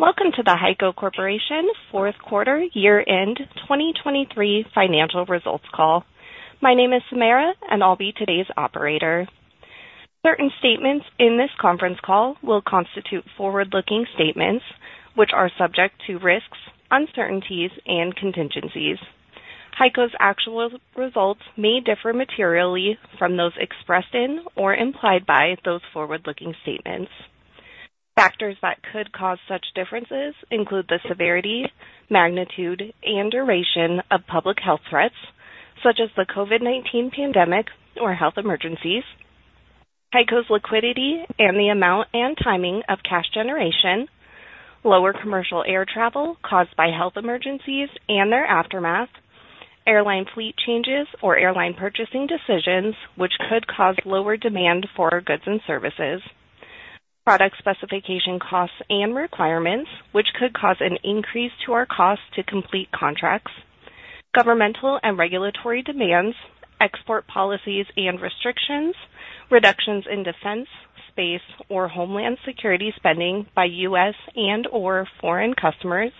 Welcome to the HEICO Corporation Fourth quarter year-end 2023 financial results call. My name is Samara, and I'll be today's operator. Certain statements in this conference call will constitute forward-looking statements, which are subject to risks, uncertainties, and contingencies. HEICO's actual results may differ materially from those expressed in or implied by those forward-looking statements. Factors that could cause such differences include the severity, magnitude, and duration of public health threats, such as the COVID-19 pandemic or health emergencies, HEICO's liquidity and the amount and timing of cash generation, lower commercial air travel caused by health emergencies and their aftermath, airline fleet changes or airline purchasing decisions, which could cause lower demand for our goods and services, product specification costs and requirements, which could cause an increase to our cost to complete contracts, governmental and regulatory demands, export policies and restrictions, reductions in defense, space, or homeland security spending by U.S. and/or foreign customers,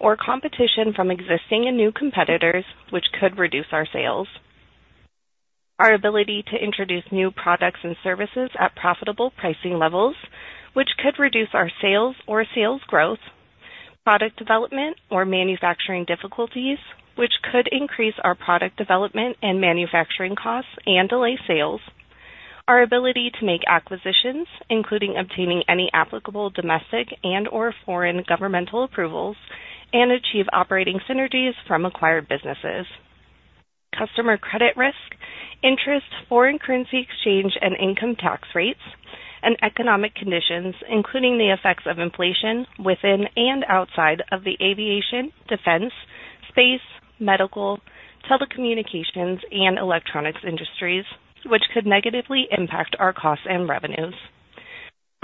or competition from existing and new competitors, which could reduce our sales. Our ability to introduce new products and services at profitable pricing levels, which could reduce our sales or sales growth, product development or manufacturing difficulties, which could increase our product development and manufacturing costs and delay sales, our ability to make acquisitions, including obtaining any applicable domestic and/or foreign governmental approvals and achieve operating synergies from acquired businesses, customer credit risk, interest, foreign currency exchange and income tax rates and economic conditions, including the effects of inflation within and outside of the aviation, defense, space, medical, telecommunications, and electronics industries, which could negatively impact our costs and revenues.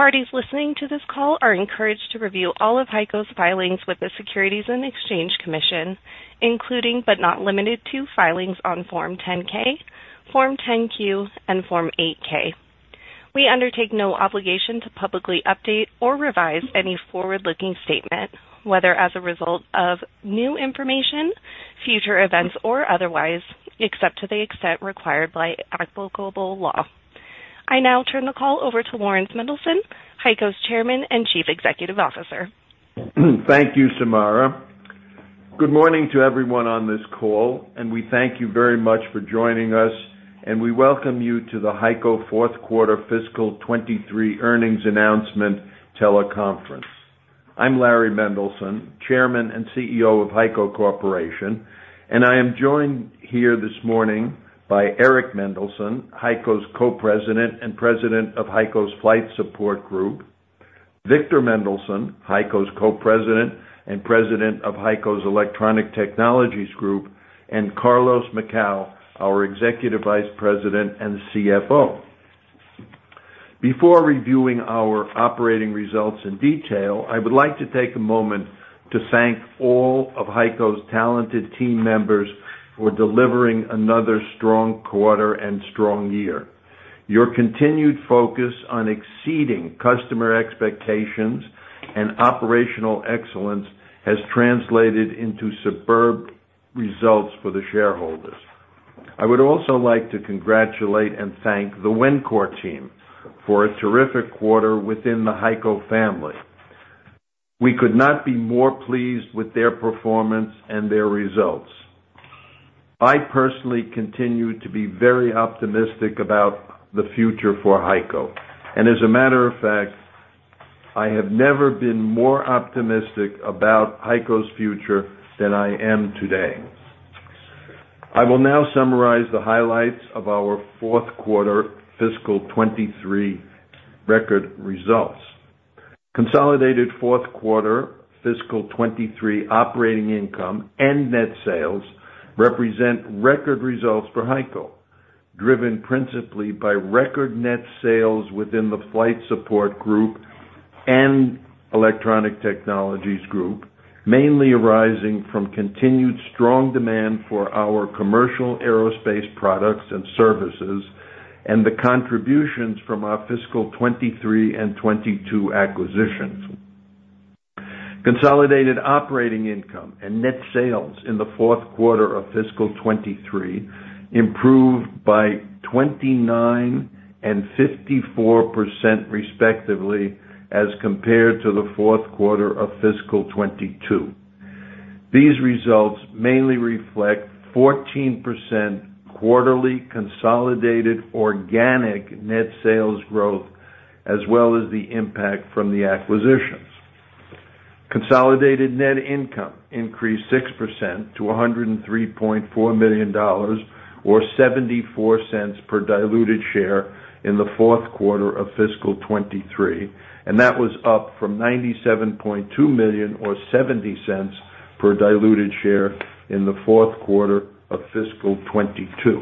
Parties listening to this call are encouraged to review all of HEICO's filings with the Securities and Exchange Commission, including, but not limited to, filings on Form 10-K, Form 10-Q, and Form 8-K. We undertake no obligation to publicly update or revise any forward-looking statement, whether as a result of new information, future events, or otherwise, except to the extent required by applicable law. I now turn the call over to Laurans Mendelson, HEICO's Chairman and Chief Executive Officer. Thank you, Samara. Good morning to everyone on this call, and we thank you very much for joining us, and we welcome you to the HEICO fourth quarter fiscal 2023 earnings announcement teleconference. I'm Larry Mendelson, Chairman and CEO of HEICO Corporation, and I am joined here this morning by Eric Mendelson, HEICO's Co-President and President of HEICO's Flight Support Group, Victor Mendelson, HEICO's Co-President and President of HEICO's Electronic Technologies Group, and Carlos Macau, our Executive Vice President and CFO. Before reviewing our operating results in detail, I would like to take a moment to thank all of HEICO's talented team members for delivering another strong quarter and strong year. Your continued focus on exceeding customer expectations and operational excellence has translated into superb results for the shareholders. I would also like to congratulate and thank the Wencor team for a terrific quarter within the HEICO family. We could not be more pleased with their performance and their results. I personally continue to be very optimistic about the future for HEICO, and as a matter of fact, I have never been more optimistic about HEICO's future than I am today. I will now summarize the highlights of our fourth quarter fiscal 2023 record results. Consolidated fourth quarter fiscal 2023 operating income and net sales represent record results for HEICO, driven principally by record net sales within the Flight Support Group and Electronic Technologies Group, mainly arising from continued strong demand for our commercial aerospace products and services and the contributions from our fiscal 2023 and 2022 acquisitions. Consolidated operating income and net sales in the fourth quarter of fiscal 2023 improved by 29% and 54%, respectively, as compared to the fourth quarter of fiscal 2022. These results mainly reflect 14% quarterly consolidated organic net sales growth, as well as the impact from the acquisitions. Consolidated net income increased 6% to $103.4 million, or $0.74 per diluted share in the fourth quarter of fiscal 2023, and that was up from $97.2 million or $0.70 per diluted share in the fourth quarter of fiscal 2022.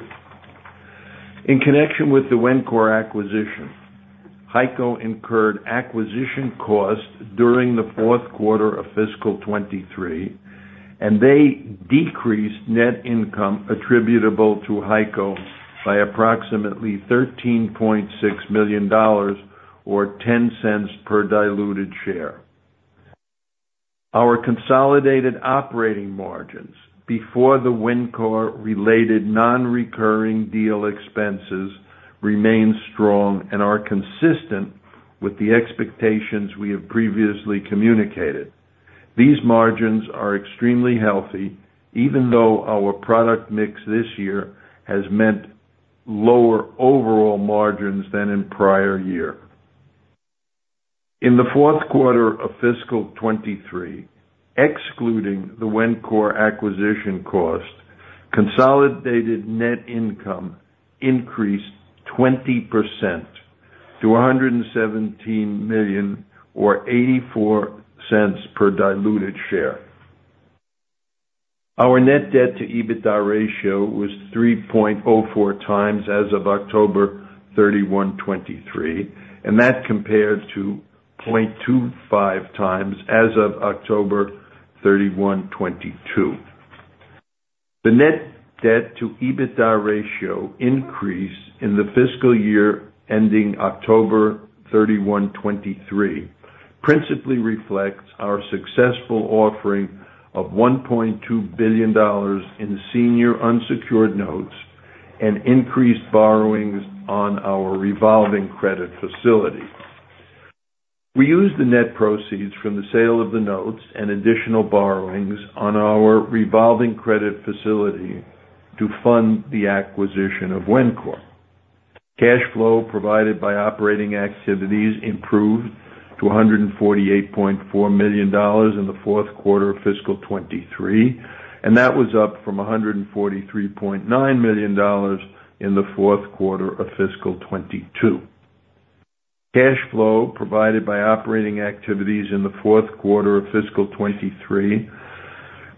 In connection with the Wencor acquisition, HEICO incurred acquisition costs during the fourth quarter of fiscal 2023, and they decreased net income attributable to HEICO by approximately $13.6 million, or $0.10 per diluted share. Our consolidated operating margins before the Wencor-related nonrecurring deal expenses remain strong and are consistent with the expectations we have previously communicated. These margins are extremely healthy, even though our product mix this year has meant lower overall margins than in prior year. In the fourth quarter of fiscal 2023, excluding the Wencor acquisition cost, consolidated net income increased 20% to $117 million, or $0.84 per diluted share. Our net debt to EBITDA ratio was 3.04 times as of October 31, 2023, and that compares to 0.25 times as of October 31, 2022. The net debt to EBITDA ratio increase in the fiscal year ending October 31, 2023, principally reflects our successful offering of $1.2 billion in senior unsecured notes and increased borrowings on our revolving credit facility. We used the net proceeds from the sale of the notes and additional borrowings on our revolving credit facility to fund the acquisition of Wencor. Cash flow provided by operating activities improved to $148.4 million in the fourth quarter of fiscal 2023, and that was up from $143.9 million in the fourth quarter of fiscal 2022. Cash flow provided by operating activities in the fourth quarter of fiscal 2023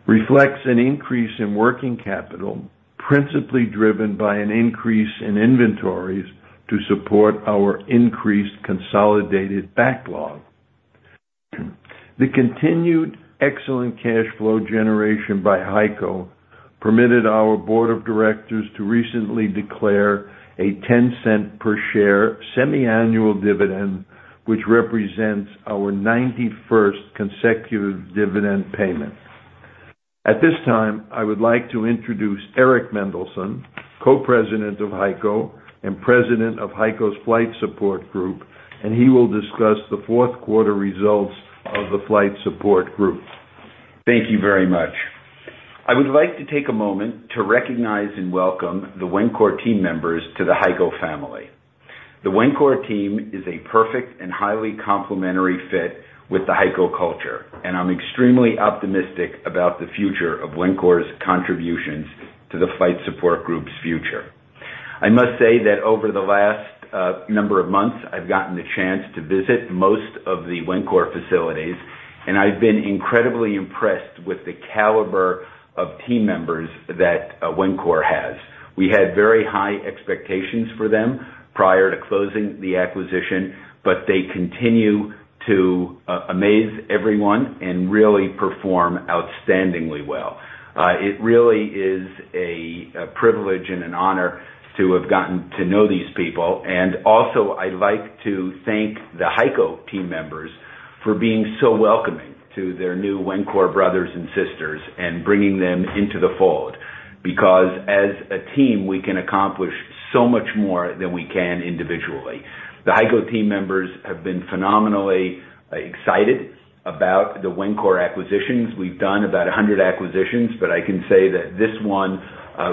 reflects an increase in working capital, principally driven by an increase in inventories to support our increased consolidated backlog. The continued excellent cash flow generation by HEICO permitted our board of directors to recently declare a $0.10 per share semiannual dividend, which represents our 91st consecutive dividend payment. At this time, I would like to introduce Eric Mendelson, Co-President of HEICO and President of HEICO's Flight Support Group, and he will discuss the fourth quarter results of the Flight Support Group. Thank you very much. I would like to take a moment to recognize and welcome the Wencor team members to the HEICO family. The Wencor team is a perfect and highly complementary fit with the HEICO culture, and I'm extremely optimistic about the future of Wencor's contributions to the Flight Support Group's future. I must say that over the last number of months, I've gotten the chance to visit most of the Wencor facilities, and I've been incredibly impressed with the caliber of team members that Wencor has. We had very high expectations for them prior to closing the acquisition, but they continue to amaze everyone and really perform outstandingly well. It really is a privilege and an honor to have gotten to know these people. And also, I'd like to thank the HEICO team members for being so welcoming to their new Wencor brothers and sisters and bringing them into the fold, because as a team, we can accomplish so much more than we can individually. The HEICO team members have been phenomenally excited about the Wencor acquisitions. We've done about 100 acquisitions, but I can say that this one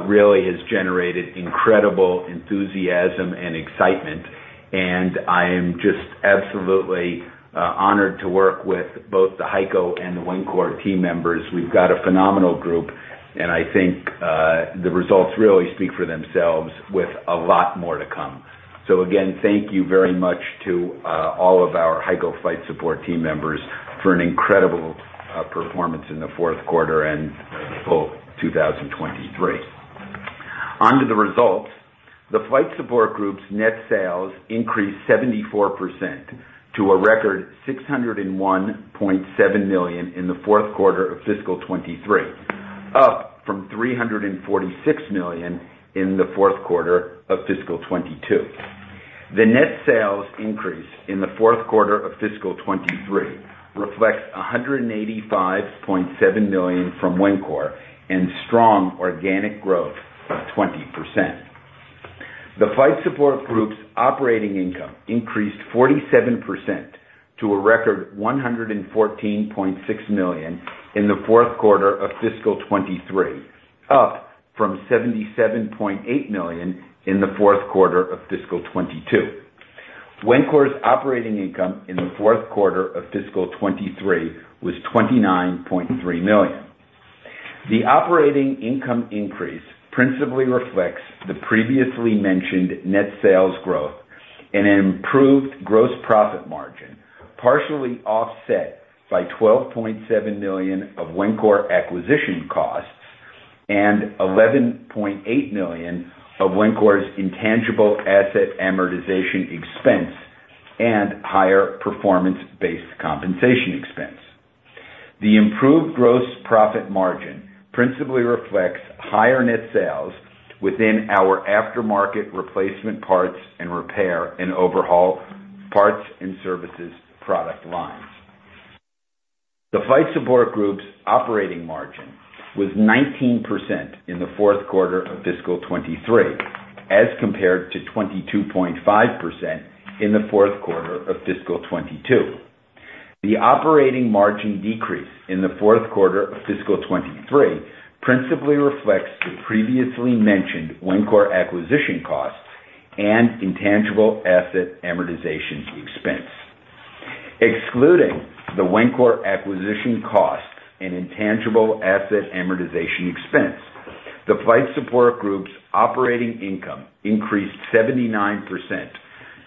really has generated incredible enthusiasm and excitement, and I am just absolutely honored to work with both the HEICO and the Wencor team members. We've got a phenomenal group, and I think the results really speak for themselves with a lot more to come. So again, thank you very much to all of our HEICO Flight Support team members for an incredible performance in the fourth quarter and full 2023. On to the results. The Flight Support Group's net sales increased 74% to a record $601.7 million in the fourth quarter of fiscal 2023, up from $346 million in the fourth quarter of fiscal 2022. The net sales increase in the fourth quarter of fiscal 2023 reflects $185.7 million from Wencor and strong organic growth of 20%. The Flight Support Group's operating income increased 47% to a record $114.6 million in the fourth quarter of fiscal 2023, up from $77.8 million in the fourth quarter of fiscal 2022. Wencor's operating income in the fourth quarter of fiscal 2023 was $29.3 million. The operating income increase principally reflects the previously mentioned net sales growth and an improved gross profit margin, partially offset by $12.7 million of Wencor acquisition costs. And $11.8 million of Wencor's intangible asset amortization expense and higher performance-based compensation expense. The improved gross profit margin principally reflects higher net sales within our aftermarket replacement parts and repair and overhaul parts and services product lines. The Flight Support Group's operating margin was 19% in the fourth quarter of fiscal 2023, as compared to 22.5% in the fourth quarter of fiscal 2022. The operating margin decrease in the fourth quarter of fiscal 2023 principally reflects the previously mentioned Wencor acquisition costs and intangible asset amortization expense. Excluding the Wencor acquisition cost and intangible asset amortization expense, the Flight Support Group's operating income increased 79%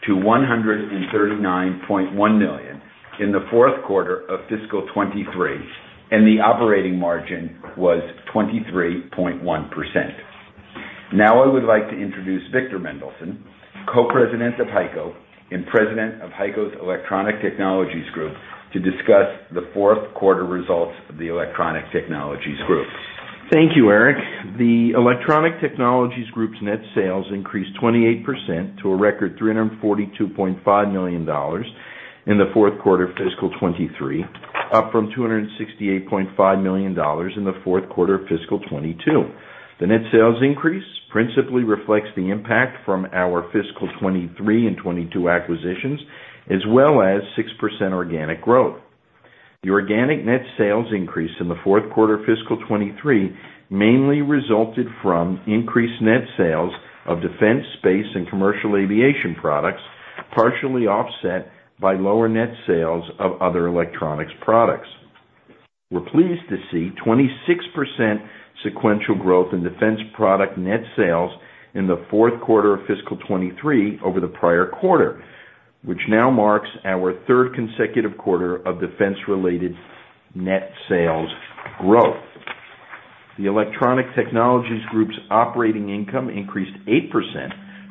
to $139.1 million in the fourth quarter of fiscal 2023, and the operating margin was 23.1%. Now, I would like to introduce Victor Mendelson, Co-President of HEICO and President of HEICO's Electronic Technologies Group, to discuss the fourth quarter results of the Electronic Technologies Group. Thank you, Eric. The Electronic Technologies Group's net sales increased 28% to a record $342.5 million in the fourth quarter of fiscal 2023, up from $268.5 million in the fourth quarter of fiscal 2022. The net sales increase principally reflects the impact from our fiscal 2023 and 2022 acquisitions, as well as 6% organic growth. The organic net sales increase in the fourth quarter of fiscal 2023 mainly resulted from increased net sales of defense, space, and commercial aviation products, partially offset by lower net sales of other electronics products. We're pleased to see 26% sequential growth in defense product net sales in the fourth quarter of fiscal 2023 over the prior quarter, which now marks our third consecutive quarter of defense-related net sales growth. The Electronic Technologies Group's operating income increased 8%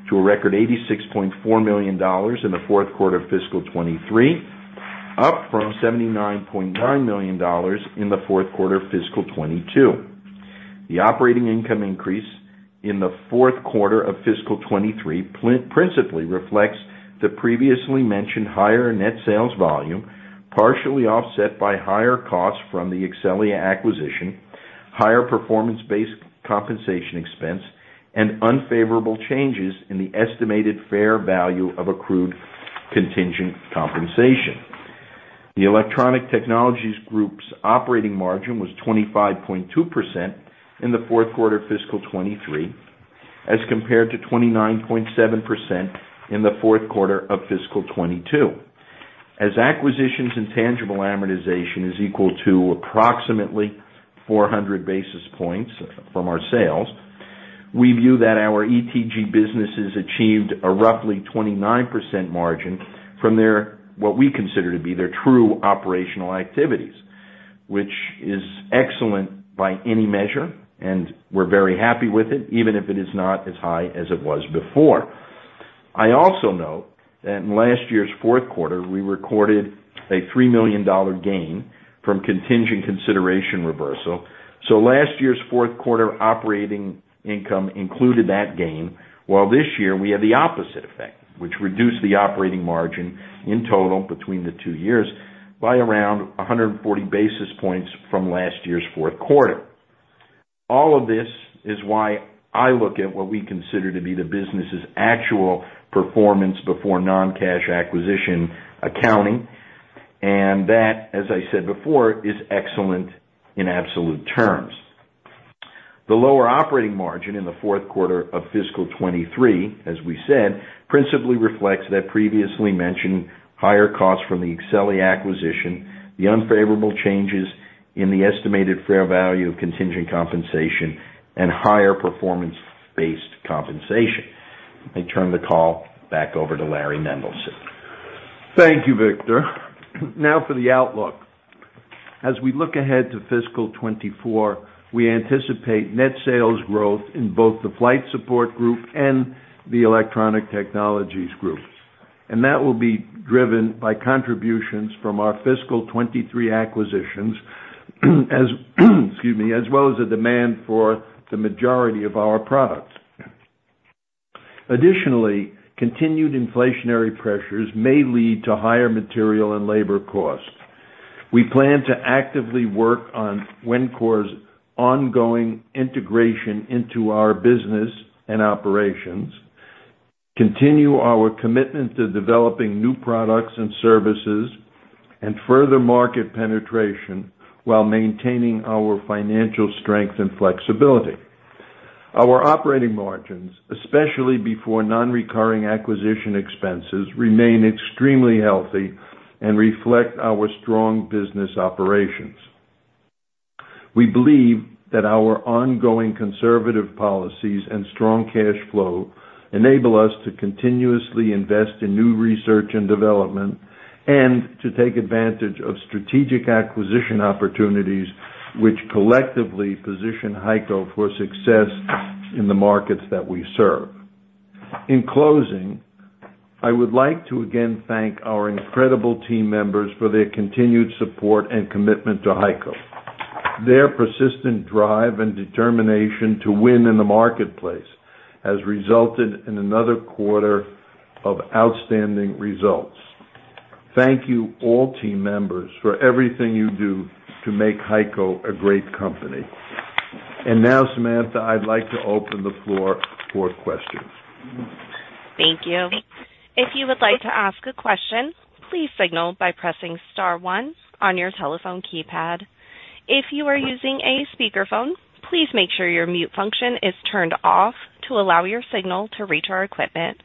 to a record $86.4 million in the fourth quarter of fiscal 2023, up from $79.9 million in the fourth quarter of fiscal 2022. The operating income increase in the fourth quarter of fiscal 2023 principally reflects the previously mentioned higher net sales volume, partially offset by higher costs from the Exxelia acquisition, higher performance-based compensation expense, and unfavorable changes in the estimated fair value of accrued contingent compensation. The Electronic Technologies Group's operating margin was 25.2% in the fourth quarter of fiscal 2023, as compared to 29.7% in the fourth quarter of fiscal 2022. As acquisitions and intangible amortization is equal to approximately 400 basis points from our sales, we view that our ETG businesses achieved a roughly 29% margin from their, what we consider to be their true operational activities, which is excellent by any measure, and we're very happy with it, even if it is not as high as it was before. I also note that in last year's fourth quarter, we recorded a $3 million gain from contingent consideration reversal. So last year's fourth quarter operating income included that gain, while this year we had the opposite effect, which reduced the operating margin in total between the two years by around 140 basis points from last year's fourth quarter. All of this is why I look at what we consider to be the business's actual performance before non-cash acquisition accounting, and that, as I said before, is excellent in absolute terms. The lower operating margin in the fourth quarter of fiscal 2023, as we said, principally reflects that previously mentioned higher costs from the Exxelia acquisition, the unfavorable changes in the estimated fair value of contingent compensation, and higher performance-based compensation. I turn the call back over to Laurans Mendelson. Thank you, Victor. Now for the outlook. As we look ahead to fiscal 2024, we anticipate net sales growth in both the Flight Support Group and the Electronic Technologies Group, and that will be driven by contributions from our fiscal 2023 acquisitions as, excuse me, as well as the demand for the majority of our products. Additionally, continued inflationary pressures may lead to higher material and labor costs. We plan to actively work on Wencor's ongoing integration into our business and operations, continue our commitment to developing new products and services, and further market penetration while maintaining our financial strength and flexibility. Our operating margins, especially before nonrecurring acquisition expenses, remain extremely healthy and reflect our strong business operations. We believe that our ongoing conservative policies and strong cash flow enable us to continuously invest in new research and development, And to take advantage of strategic acquisition opportunities, which collectively position HEICO for success in the markets that we serve. In closing, I would like to again thank our incredible team members for their continued support and commitment to HEICO. Their persistent drive and determination to win in the marketplace has resulted in another quarter of outstanding results. Thank you, all team members, for everything you do to make HEICO a great company. And now, Samantha, I'd like to open the floor for questions. Thank you. If you would like to ask a question, please signal by pressing star one on your telephone keypad. If you are using a speakerphone, please make sure your mute function is turned off to allow your signal to reach our equipment.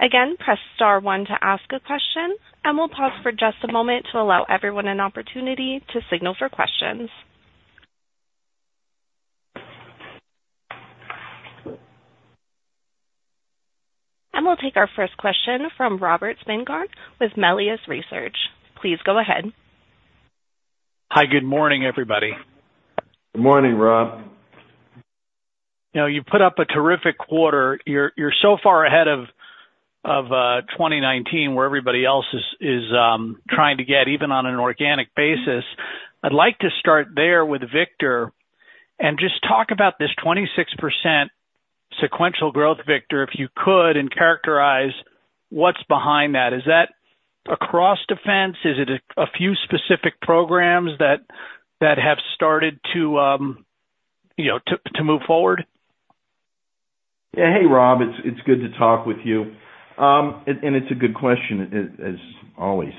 Again, press star one to ask a question, and we'll pause for just a moment to allow everyone an opportunity to signal for questions. We'll take our first question from Robert Spingarn with Melius Research. Please go ahead. Hi, good morning, everybody. Good morning, Rob. You know, you put up a terrific quarter. You're so far ahead of 2019, where everybody else is trying to get even on an organic basis. I'd like to start there with Victor, and just talk about this 26% sequential growth, Victor, if you could, and characterize what's behind that. Is that across defense? Is it a few specific programs that have started to you know, to move forward? Yeah. Hey, Rob, it's good to talk with you. And it's a good question, as always.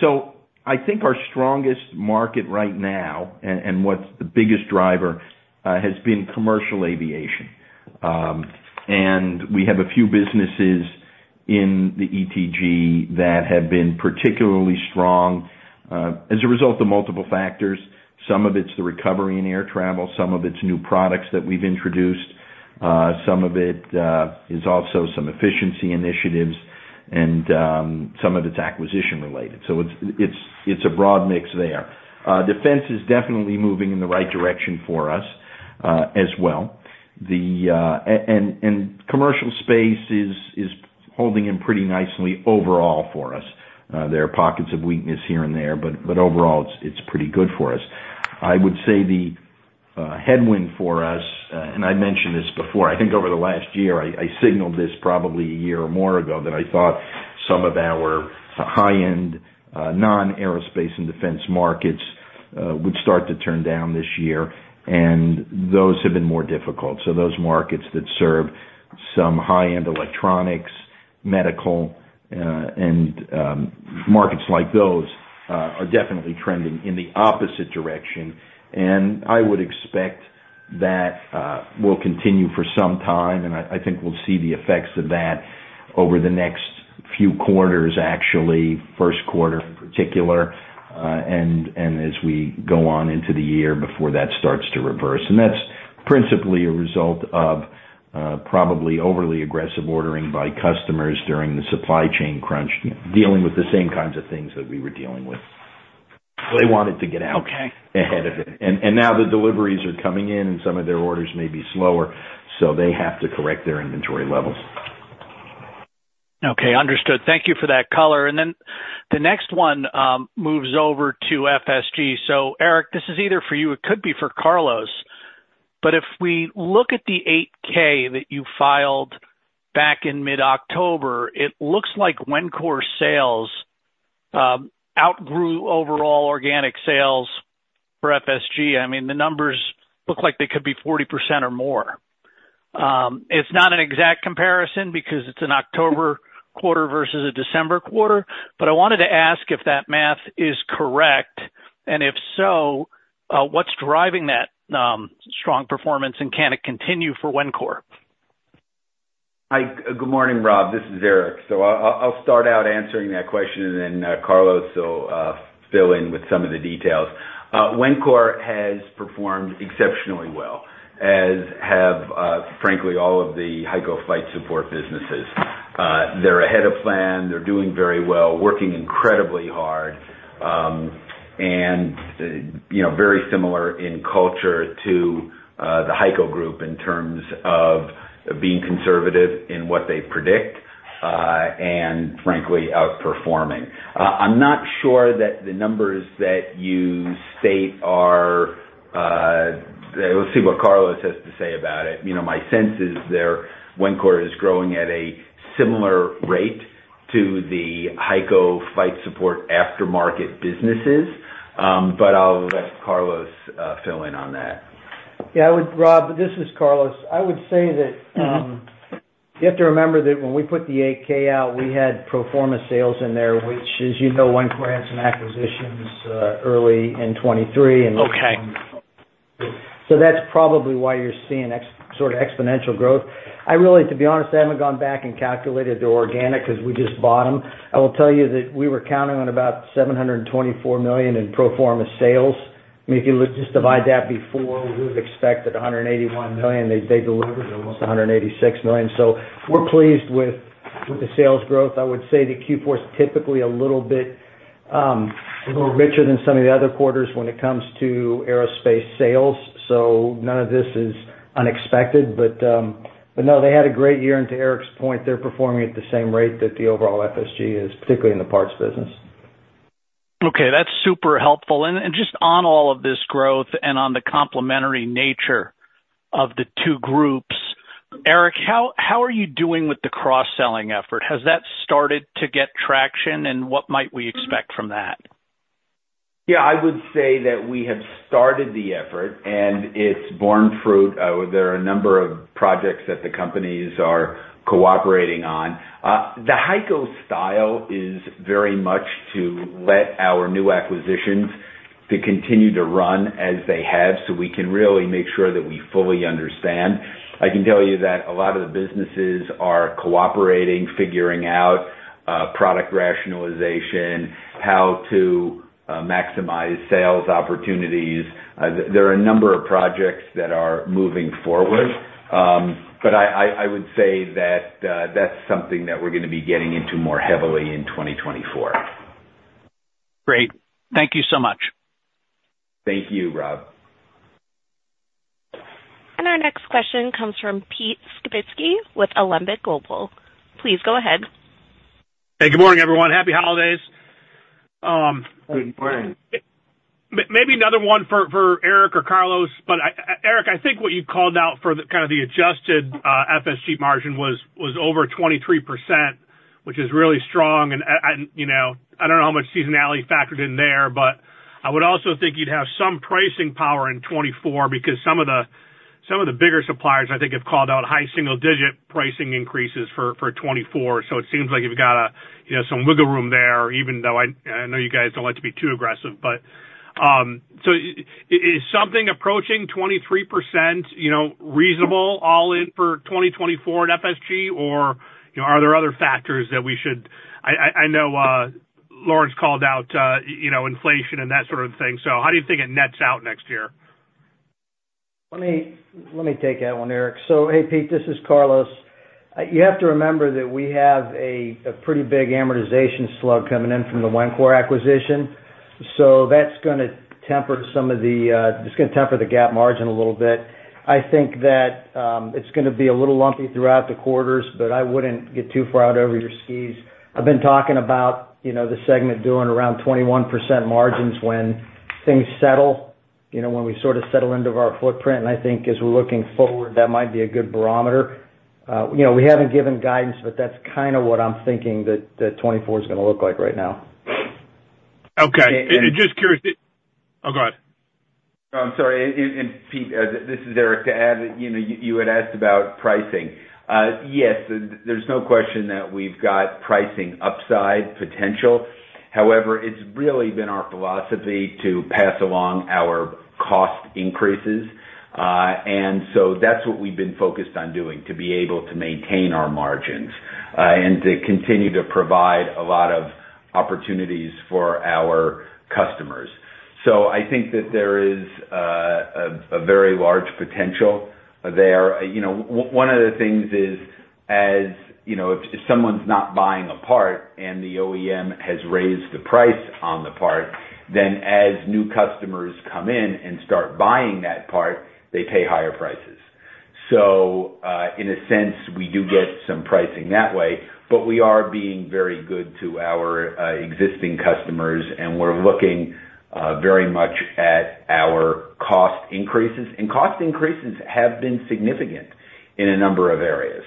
So I think our strongest market right now, and what's the biggest driver, has been commercial aviation. And we have a few businesses in the ETG that have been particularly strong, as a result of multiple factors. Some of it's the recovery in air travel, some of it's new products that we've introduced, some of it is also some efficiency initiatives, and some of it's acquisition related, so it's a broad mix there. Defense is definitely moving in the right direction for us, as well. And commercial space is holding in pretty nicely overall for us. There are pockets of weakness here and there, but overall, it's pretty good for us. I would say the headwind for us, and I mentioned this before, I think over the last year, I signaled this probably a year or more ago, that I thought some of our high-end non-aerospace and defense markets would start to turn down this year, and those have been more difficult. So those markets that serve some high-end electronics, medical, and markets like those are definitely trending in the opposite direction. And I would expect that will continue for some time, and I think we'll see the effects of that over the next few quarters, actually, first quarter in particular, and as we go on into the year before that starts to reverse. That's principally a result of, probably overly aggressive ordering by customers during the supply chain crunch, dealing with the same kinds of things that we were dealing with. So they wanted to get out. Okay. Ahead of it. And now the deliveries are coming in, and some of their orders may be slower, so they have to correct their inventory levels. Okay, understood. Thank you for that color. And then the next one moves over to FSG. So Eric, this is either for you, it could be for Carlos, but if we look at the 8-K that you filed back in mid-October, it looks like Wencor sales outgrew overall organic sales for FSG. I mean, the numbers look like they could be 40% or more. It's not an exact comparison because it's an October quarter versus a December quarter, but I wanted to ask if that math is correct, and if so, what's driving that strong performance, and can it continue for Wencor? Hi. Good morning, Rob. This is Eric. So I'll start out answering that question, and then, Carlos will fill in with some of the details. Wencor has performed exceptionally well, as have, frankly, all of the HEICO flight support businesses. They're ahead of plan, they're doing very well, working incredibly hard, and, you know, very similar in culture to the HEICO group in terms of being conservative in what they predict, and frankly, outperforming. I'm not sure that the numbers that you state are, let's see what Carlos has to say about it. You know, my sense is their Wencor is growing at a similar rate to the HEICO flight support aftermarket businesses. But I'll let Carlos fill in on that. Yeah, I would, Rob, this is Carlos. I would say that you have to remember that when we put the 8-K out, we had pro forma sales in there, which, as you know, Wencor had some acquisitions early in 2023 and- Okay. So that's probably why you're seeing exponential growth. I really, to be honest, I haven't gone back and calculated the organic because we just bought them. I will tell you that we were counting on about $724 million in pro forma sales. I mean, if you just divide that before, we've expected $181 million. They delivered almost $186 million. So we're pleased with the sales growth. I would say that Q4 is typically a little bit. A little richer than some of the other quarters when it comes to aerospace sales, so none of this is unexpected. But, but no, they had a great year, and to Eric's point, they're performing at the same rate that the overall FSG is, particularly in the parts business. Okay, that's super helpful. And just on all of this growth and on the complementary nature of the two groups, Eric, how are you doing with the cross-selling effort? Has that started to get traction, and what might we expect from that? Yeah, I would say that we have started the effort, and it's borne fruit. There are a number of projects that the companies are cooperating on. The HEICO style is very much to let our new acquisitions continue to run as they have, so we can really make sure that we fully understand. I can tell you that a lot of the businesses are cooperating, figuring out product rationalization, how to maximize sales opportunities. There are a number of projects that are moving forward. But I would say that that's something that we're going to be getting into more heavily in 2024. Great. Thank you so much. Thank you, Rob. Our next question comes from Pete Skibitski with Alembic Global. Please go ahead. Hey, good morning, everyone. Happy holidays. Good morning. Maybe another one for Eric or Carlos, but Eric, I think what you've called out for the kind of the adjusted FSG margin was over 23%, which is really strong. And, you know, I don't know how much seasonality factored in there, but I would also think you'd have some pricing power in 2024 because some of the bigger suppliers, I think, have called out high single digit pricing increases for 2024. So it seems like you've got a, you know, some wiggle room there, even though I know you guys don't like to be too aggressive. But so is something approaching 23%, you know, reasonable all in for 2024 at FSG? Or, you know, are there other factors that we should... I know Laurans called out, you know, inflation and that sort of thing. So how do you think it nets out next year? Let me, let me take that one, Eric. So hey, Pete, this is Carlos. You have to remember that we have a pretty big amortization slug coming in from the Wencor acquisition, so that's going to temper some of the, it's going to temper the GAAP margin a little bit. I think that it's going to be a little lumpy throughout the quarters, but I wouldn't get too far out over your skis. I've been talking about, you know, the segment doing around 21% margins when things settle, you know, when we sort of settle into our footprint, and I think as we're looking forward, that might be a good barometer. You know, we haven't given guidance, but that's kind of what I'm thinking that, that 2024 is going to look like right now. Okay. And just curious. Oh, go ahead. I'm sorry, Pete, this is Eric. To add, you know, you had asked about pricing. Yes, there's no question that we've got pricing upside potential. However, it's really been our philosophy to pass along our cost increases, and so that's what we've been focused on doing, to be able to maintain our margins, and to continue to provide a lot of opportunities for our customers. So I think that there is a very large potential there. You know, one of the things is, as you know, if someone's not buying a part and the OEM has raised the price on the part, then as new customers come in and start buying that part, they pay higher prices. So, in a sense, we do get some pricing that way, but we are being very good to our existing customers, and we're looking very much at our cost increases. Cost increases have been significant in a number of areas.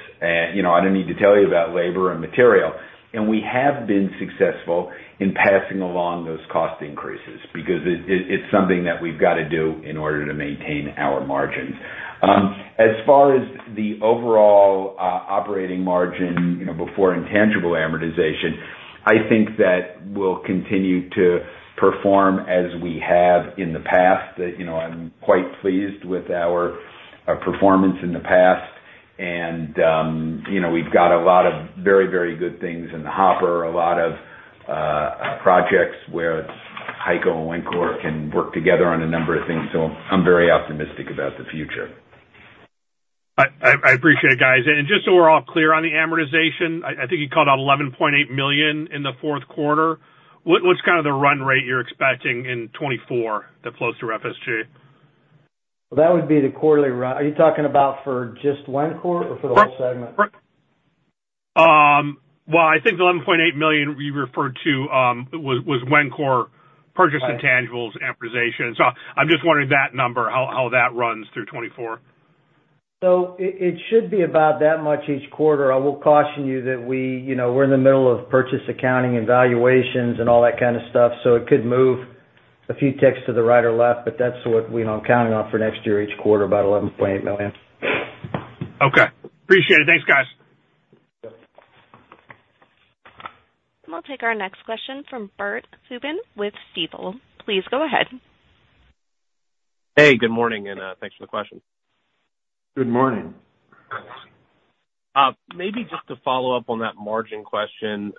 You know, I don't need to tell you about labor and material, and we have been successful in passing along those cost increases because it, it, it's something that we've got to do in order to maintain our margins. As far as the overall operating margin, you know, before intangible amortization, I think that we'll continue to perform as we have in the past. That, you know, I'm quite pleased with our, our performance in the past and, you know, we've got a lot of very, very good things in the hopper, a lot of projects where HEICO and Wencor can work together on a number of things. So I'm very optimistic about the future. I appreciate it, guys. Just so we're all clear on the amortization, I think you called out $11.8 million in the fourth quarter. What's kind of the run rate you're expecting in 2024, that flows through FSG? Well, that would be the quarterly run. Are you talking about for just Wencor or for the whole segment? Well, I think the $11.8 million you referred to was Wencor purchase intangibles amortization. So I'm just wondering that number, how that runs through 2024. So it should be about that much each quarter. I will caution you that we, you know, we're in the middle of purchase accounting and valuations and all that kind of stuff, so it could move a few ticks to the right or left, but that's what we are counting on for next year, each quarter, about $11.8 million. Okay, appreciate it. Thanks, guys. We'll take our next question from Bert Subin with Stifel. Please go ahead. Hey, good morning, and thanks for the question. Good morning. Maybe just to follow up on that margin question.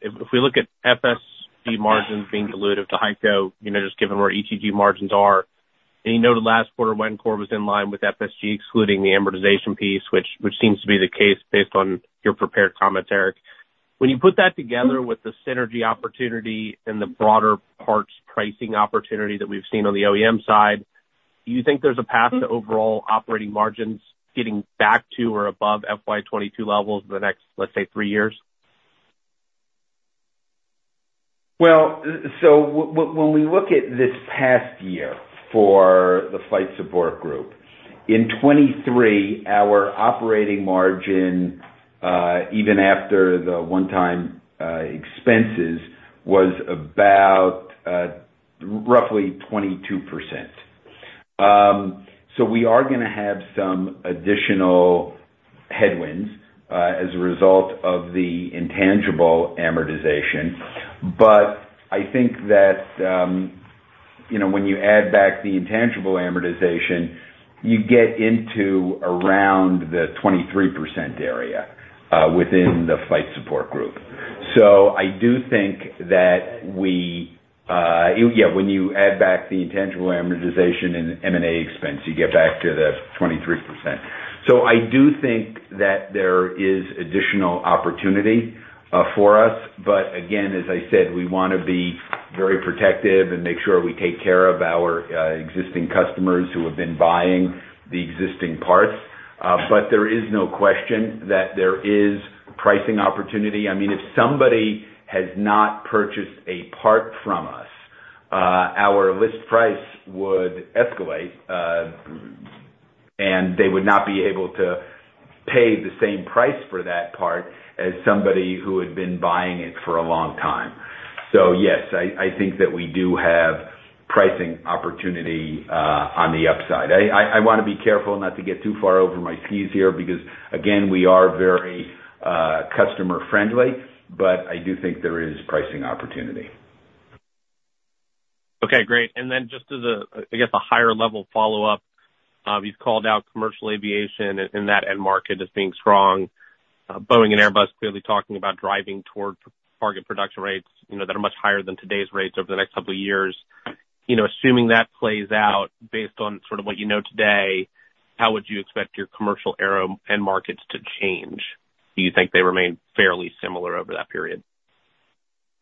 If we look at FSG margins being dilutive to HEICO, you know, just given where ETG margins are. You noted last quarter, Wencor was in line with FSG, excluding the amortization piece, which seems to be the case based on your prepared comments, Eric. When you put that together with the synergy opportunity and the broader parts pricing opportunity that we've seen on the OEM side, do you think there's a path to overall operating margins getting back to or above FY 2022 levels in the next, let's say, three years? Well, so when we look at this past year for the Flight Support Group, in 2023, our operating margin, even after the one-time expenses, was about roughly 22%. So we are going to have some additional headwinds as a result of the intangible amortization. But I think that, you know, when you add back the intangible amortization, you get into around the 23% area within the Flight Support Group. So I do think that we... Yeah, when you add back the intangible amortization and M&A expense, you get back to the 23%. So I do think that there is additional opportunity for us, but again, as I said, we want to be very protective and make sure we take care of our existing customers who have been buying the existing parts. But there is no question that there is pricing opportunity. I mean, if somebody has not purchased a part from us, our list price would escalate, and they would not be able to pay the same price for that part as somebody who had been buying it for a long time. So yes, I want to be careful not to get too far over my skis here, because again, we are very customer friendly, but I do think there is pricing opportunity. Okay, great. And then just as a, I guess, a higher level follow-up, you've called out commercial aviation in, in that end market as being strong. Boeing and Airbus clearly talking about driving towards target production rates, you know, that are much higher than today's rates over the next couple of years. You know, assuming that plays out based on sort of what you know today, how would you expect your commercial aero end markets to change? Do you think they remain fairly similar over that period?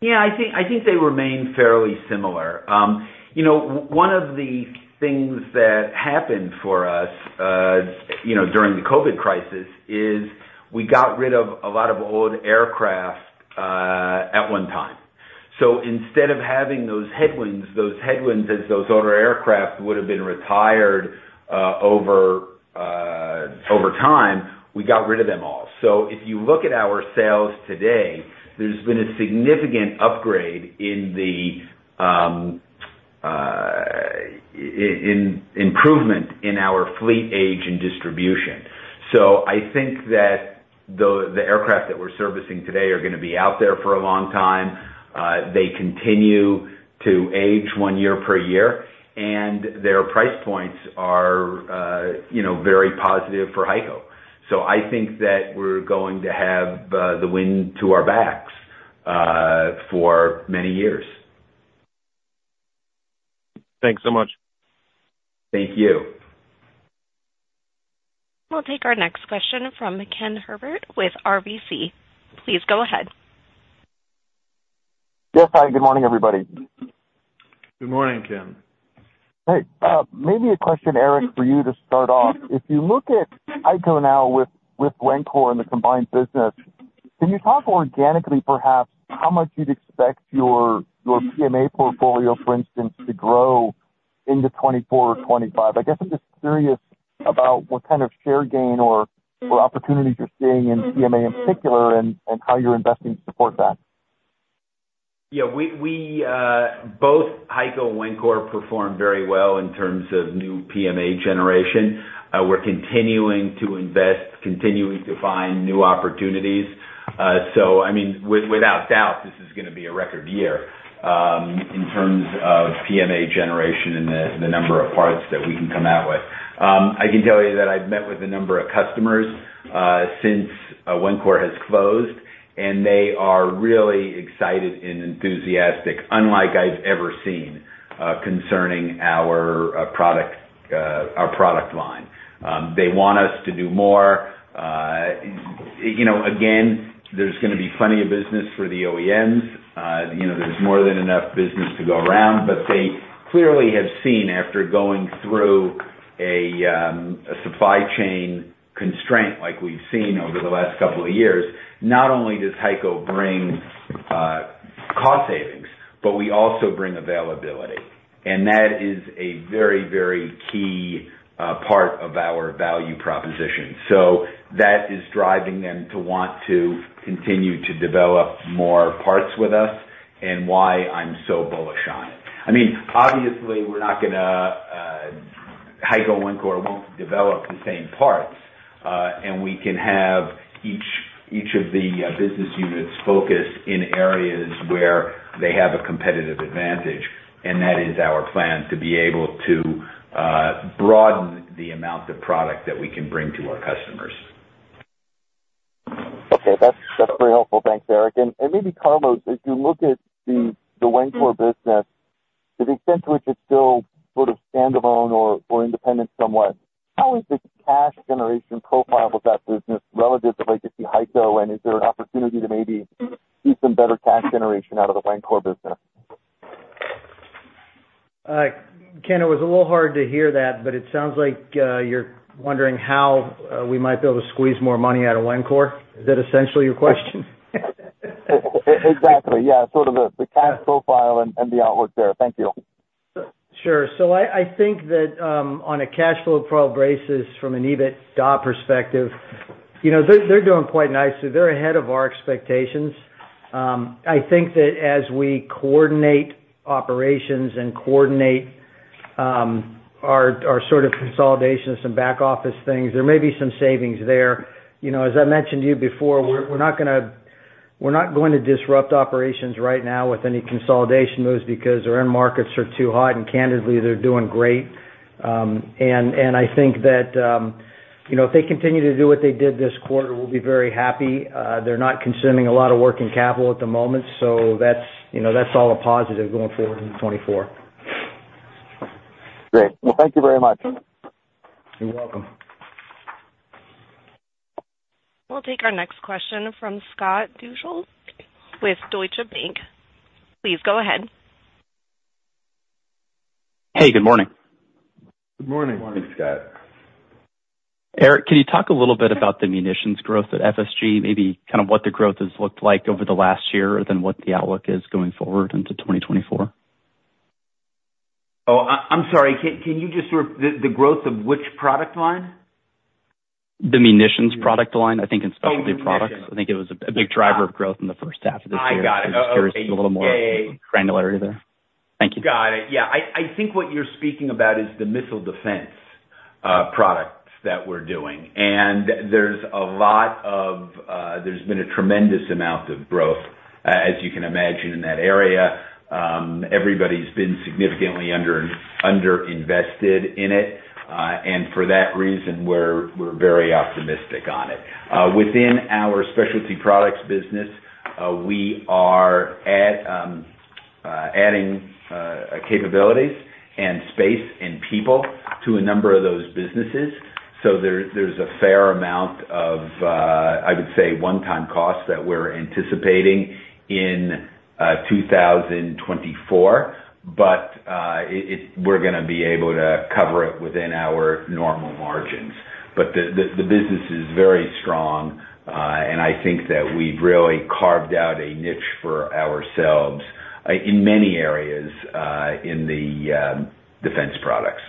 Yeah, I think they remain fairly similar. You know, one of the things that happened for us during the COVID crisis is we got rid of a lot of old aircraft at one time. So instead of having those headwinds, those headwinds as those older aircraft would have been retired over time, we got rid of them all. So if you look at our sales today, there's been a significant upgrade in the improvement in our fleet age and distribution. So I think that the aircraft that we're servicing today are going to be out there for a long time. They continue to age one year per year, and their price points are, you know, very positive for HEICO. I think that we're going to have the wind to our backs for many years. Thanks so much. Thank you. We'll take our next question from Ken Herbert with RBC. Please go ahead. Yes, hi, good morning, everybody. Good morning, Ken. Hey, maybe a question, Eric, for you to start off: If you look at HEICO now with, with Wencor and the combined business, can you talk organically, perhaps, how much you'd expect your, your PMA portfolio, for instance, to grow into 2024 or 2025? I guess I'm just curious about what kind of share gain or, or opportunity you're seeing in PMA in particular, and, and how you're investing to support that. Yeah, we both HEICO and Wencor performed very well in terms of new PMA generation. We're continuing to invest, continuing to find new opportunities. So I mean, without doubt, this is going to be a record year in terms of PMA generation and the number of parts that we can come out with. I can tell you that I've met with a number of customers since Wencor has closed, and they are really excited and enthusiastic, unlike I've ever seen, concerning our product, our product line. They want us to do more. You know, again, there's going to be plenty of business for the OEMs. You know, there's more than enough business to go around, but they clearly have seen, after going through a supply chain constraint like we've seen over the last couple of years, not only does HEICO bring cost savings, but we also bring availability. And that is a very, very key part of our value proposition. So that is driving them to want to continue to develop more parts with us and why I'm so bullish on it. I mean, obviously, we're not going to, HEICO and Wencor won't develop the same parts, and we can have each of the business units focus in areas where they have a competitive advantage, and that is our plan, to be able to broaden the amount of product that we can bring to our customers. Okay, that's, that's very helpful. Thanks, Eric. And, and maybe Carlos, as you look at the, the Wencor business, the extent to which it's still sort of standalone or, or independent somewhat, how is the cash generation profile of that business relative to legacy HEICO? And is there an opportunity to maybe see some better cash generation out of the Wencor business? Ken, it was a little hard to hear that, but it sounds like you're wondering how we might be able to squeeze more money out of Wencor. Is that essentially your question? Exactly, yeah, sort of the cash profile and the outlook there. Thank you. Sure. So I think that on a cash flow profile basis, from an EBITDA perspective, you know, they're doing quite nicely. They're ahead of our expectations. I think that as we coordinate operations and coordinate our sort of consolidation of some back office things, there may be some savings there. You know, as I mentioned to you before, we're not going to we're not going to disrupt operations right now with any consolidation moves because their end markets are too hot, and candidly, they're doing great. I think that, you know, if they continue to do what they did this quarter, we'll be very happy. They're not consuming a lot of working capital at the moment, so that's, you know, that's all a positive going forward into 2024. Great. Well, thank you very much. You're welcome. We'll take our next question from Scott Deuschel with Deutsche Bank. Please go ahead. Hey, good morning. Good morning. Good morning, Scott. Eric, can you talk a little bit about the munitions growth at FSG? Maybe kind of what the growth has looked like over the last year, and then what the outlook is going forward into 2024. Oh, I'm sorry. Can you just sort of. The growth of which product line? The munitions product line, I think in specialty products. Oh, munitions. I think it was a big driver of growth in the first half of this year. I got it. I'm just curious a little more granularity there. Thank you. Got it. Yeah. I think what you're speaking about is the missile defense products that we're doing. And there's a lot of, there's been a tremendous amount of growth, as you can imagine, in that area. Everybody's been significantly underinvested in it. And for that reason, we're very optimistic on it. Within our specialty products business, we are adding capabilities and space and people to a number of those businesses. So there's a fair amount of, I would say, one-time costs that we're anticipating in 2024, but we're going to be able to cover it within our normal margins. But the business is very strong, and I think that we've really carved out a niche for ourselves, in many areas, in the defense products.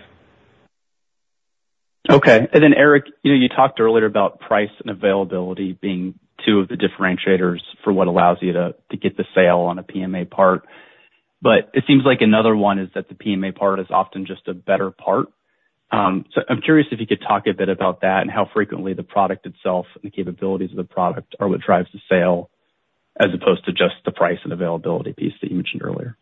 Okay. And then, Eric, you know, you talked earlier about price and availability being two of the differentiators for what allows you to get the sale on a PMA part, but it seems like another one is that the PMA part is often just a better part. So I'm curious if you could talk a bit about that and how frequently the product itself and the capabilities of the product are what drives the sale, as opposed to just the price and availability piece that you mentioned earlier.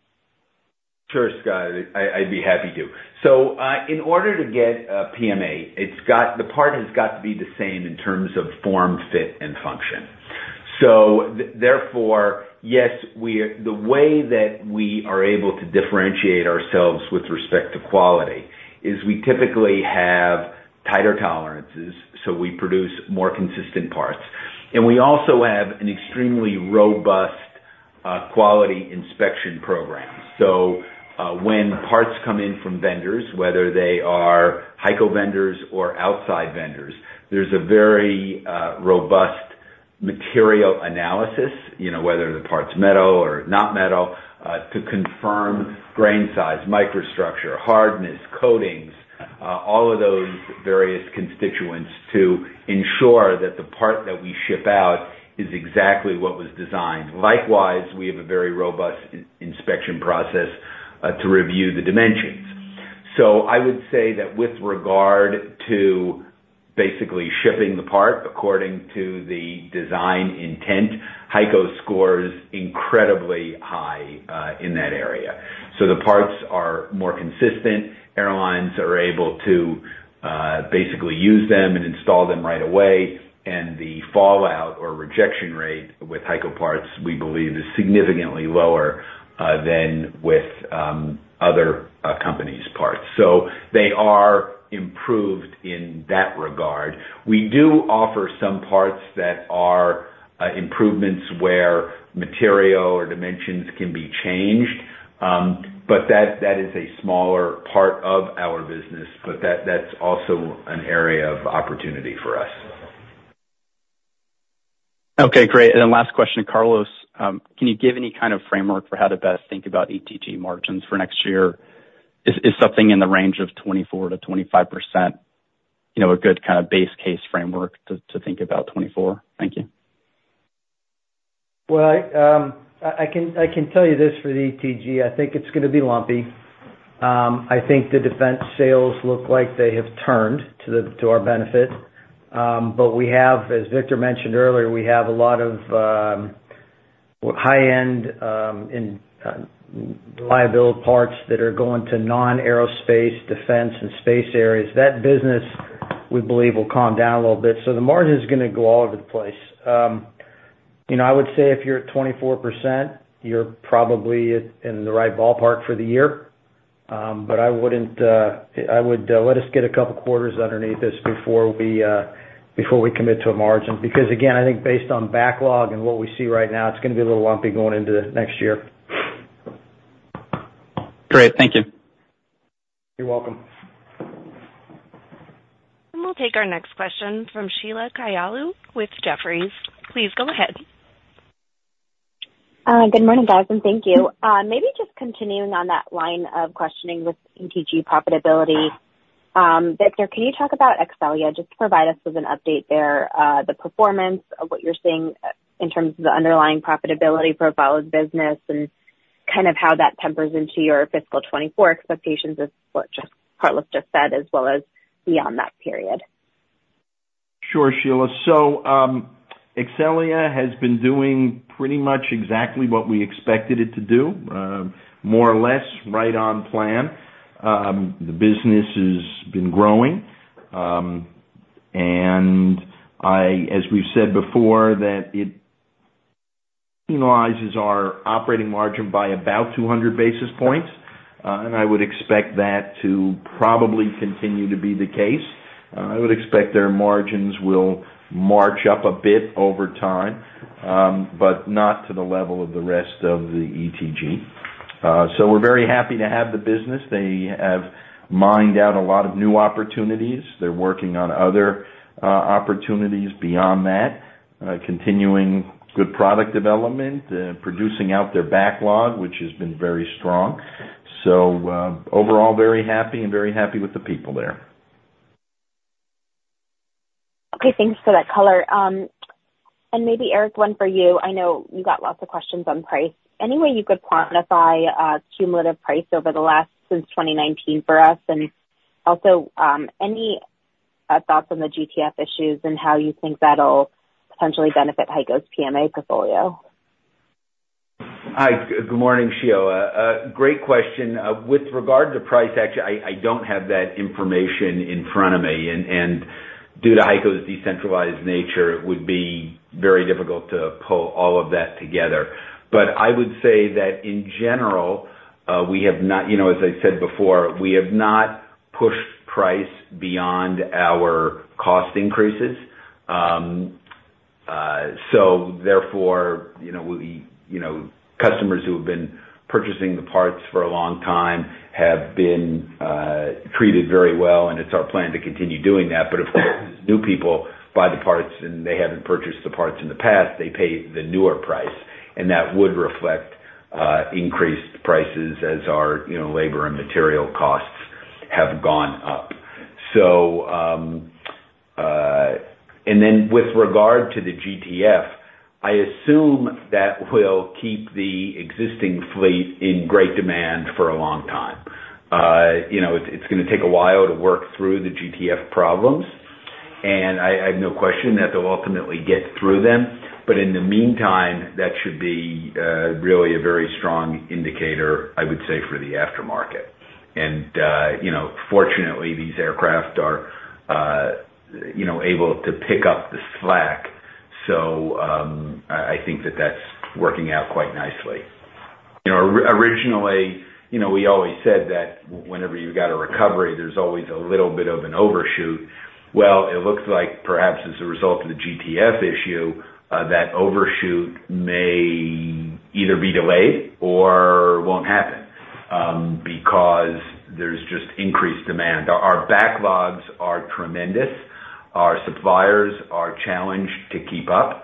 Sure, Scott, I'd be happy to. So, in order to get a PMA, the part has got to be the same in terms of form, fit, and function. So therefore, yes, we are... The way that we are able to differentiate ourselves with respect to quality is we typically have tighter tolerances, so we produce more consistent parts. And we also have an extremely robust quality inspection program. So, when parts come in from vendors, whether they are HEICO vendors or outside vendors, there's a very robust material analysis, you know, whether the part's metal or not metal, to confirm grain size, microstructure, hardness, coatings, all of those various constituents to ensure that the part that we ship out is exactly what was designed. Likewise, we have a very robust in-process inspection process to review the dimensions. So I would say that with regard to basically shipping the part according to the design intent, HEICO scores incredibly high in that area. So the parts are more consistent. Airlines are able to basically use them and install them right away, and the fallout or rejection rate with HEICO parts, we believe, is significantly lower than with other companies' parts. So they are improved in that regard. We do offer some parts that are improvements where material or dimensions can be changed, but that is a smaller part of our business, but that's also an area of opportunity for us. Okay, great. And then last question, Carlos, can you give any kind of framework for how to best think about ETG margins for next year? Is something in the range of 24%-25%, you know, a good kind of base case framework to think about 2024? Thank you. Well, I can tell you this for the ETG. I think it's going to be lumpy. I think the defense sales look like they have turned to our benefit, but we have, as Victor mentioned earlier, we have a lot of. High-reliability parts that are going to non-aerospace, defense and space areas. That business, we believe, will calm down a little bit. So the margin is going to go all over the place. You know, I would say if you're at 24%, you're probably in the right ballpark for the year. But I wouldn't, I would, let us get a couple quarters underneath us before we, before we commit to a margin, because again, I think based on backlog and what we see right now, it's going to be a little lumpy going into next year. Great, thank you. You're welcome. We'll take our next question from Sheila Kahyaoglu with Jefferies. Please go ahead. Good morning, guys, and thank you. Maybe just continuing on that line of questioning with ETG profitability. Victor, can you talk about Exxelia just to provide us with an update there, the performance of what you're seeing, in terms of the underlying profitability for the acquired business and kind of how that factors into your fiscal 2024 expectations of what Carlos just said, as well as beyond that period? Sure, Sheila. So, Exxelia has been doing pretty much exactly what we expected it to do, more or less right on plan. The business has been growing, and as we've said before, that it penalizes our operating margin by about 200 basis points, and I would expect that to probably continue to be the case. I would expect their margins will march up a bit over time, but not to the level of the rest of the ETG. So, we're very happy to have the business. They have mined out a lot of new opportunities. They're working on other opportunities beyond that, continuing good product development, producing out their backlog, which has been very strong. So, overall, very happy and very happy with the people there. Okay, thanks for that color. And maybe Eric, one for you. I know you got lots of questions on price. Any way you could quantify, cumulative price over the last since 2019 for us, and also, any, thoughts on the GTF issues and how you think that'll potentially benefit HEICO's PMA portfolio? Hi, good morning, Sheila. Great question. With regard to price, actually, I, I don't have that information in front of me, and, and due to HEICO's decentralized nature, it would be very difficult to pull all of that together. But I would say that in general, we have not, you know, as I said before, we have not pushed price beyond our cost increases. So therefore, you know, we, you know, customers who have been purchasing the parts for a long time have been, treated very well, and it's our plan to continue doing that. But of course, new people buy the parts, and they haven't purchased the parts in the past, they pay the newer price, and that would reflect, increased prices as our, you know, labor and material costs have gone up. And then with regard to the GTF, I assume that will keep the existing fleet in great demand for a long time. You know, it's going to take a while to work through the GTF problems, and I have no question that they'll ultimately get through them. But in the meantime, that should be really a very strong indicator, I would say, for the aftermarket. And you know, fortunately, these aircraft are you know, able to pick up the slack. So, I think that that's working out quite nicely. You know, originally, you know, we always said that whenever you've got a recovery, there's always a little bit of an overshoot. Well, it looks like perhaps as a result of the GTF issue, that overshoot may either be delayed or won't happen, because there's just increased demand. Our backlogs are tremendous. Our suppliers are challenged to keep up.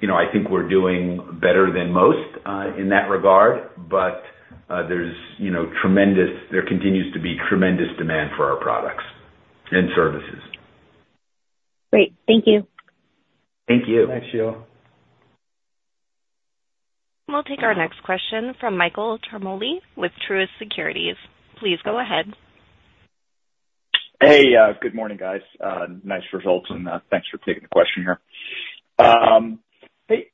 You know, I think we're doing better than most in that regard, but there's, you know, there continues to be tremendous demand for our products and services. Great. Thank you. Thank you. Thanks, Sheila. We'll take our next question from Michael Ciarmoli with Truist Securities. Please go ahead. Hey, good morning, guys. Nice results, and thanks for taking the question here. Hey,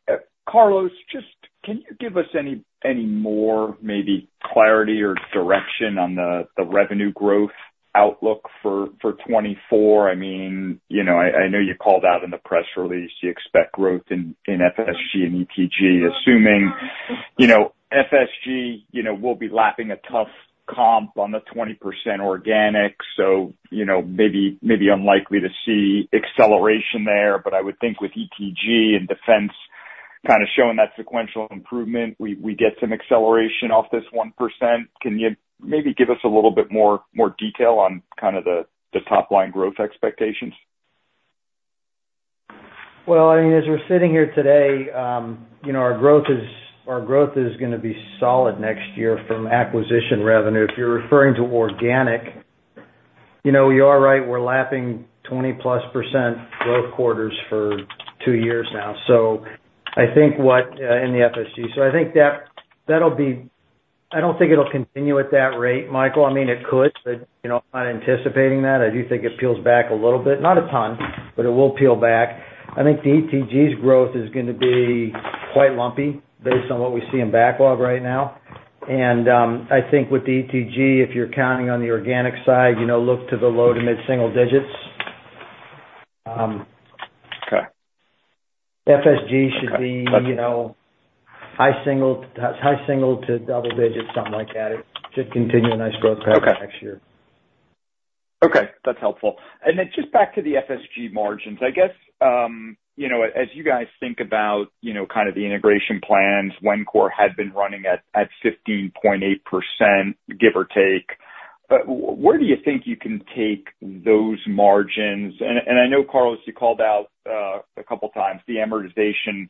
Carlos, just can you give us any more maybe clarity or direction on the revenue growth outlook for 2024? I mean, you know, I know you called out in the press release you expect growth in FSG and ETG. Assuming, you know, FSG will be lapping a tough comp on the 20% organic, so, you know, maybe unlikely to see acceleration there. But I would think with ETG and defense kind of showing that sequential improvement, we get some acceleration off this 1%. Can you maybe give us a little bit more detail on kind of the top line growth expectations? Well, I mean, as we're sitting here today, you know, our growth is, our growth is going to be solid next year from acquisition revenue. If you're referring to organic, you know, you are right, we're lapping 20%+ growth quarters for two years now. So I think what, in the FSG, so I think that'll be. I don't think it'll continue at that rate, Michael. I mean, it could, but, you know, I'm not anticipating that. I do think it peels back a little bit, not a ton, but it will peel back. I think the ETG's growth is going to be quite lumpy based on what we see in backlog right now. And I think with the ETG, if you're counting on the organic side, you know, look to the low to mid-single digits. Okay. FSG should be. Okay. You know, high single to double digits, something like that. It should continue a nice growth pattern next year. Okay. That's helpful. And then just back to the FSG margins. I guess, you know, as you guys think about, you know, kind of the integration plans, Wencor had been running at, at 15.8%, give or take. Where do you think you can take those margins? And, and I know, Carlos, you called out, a couple times the amortization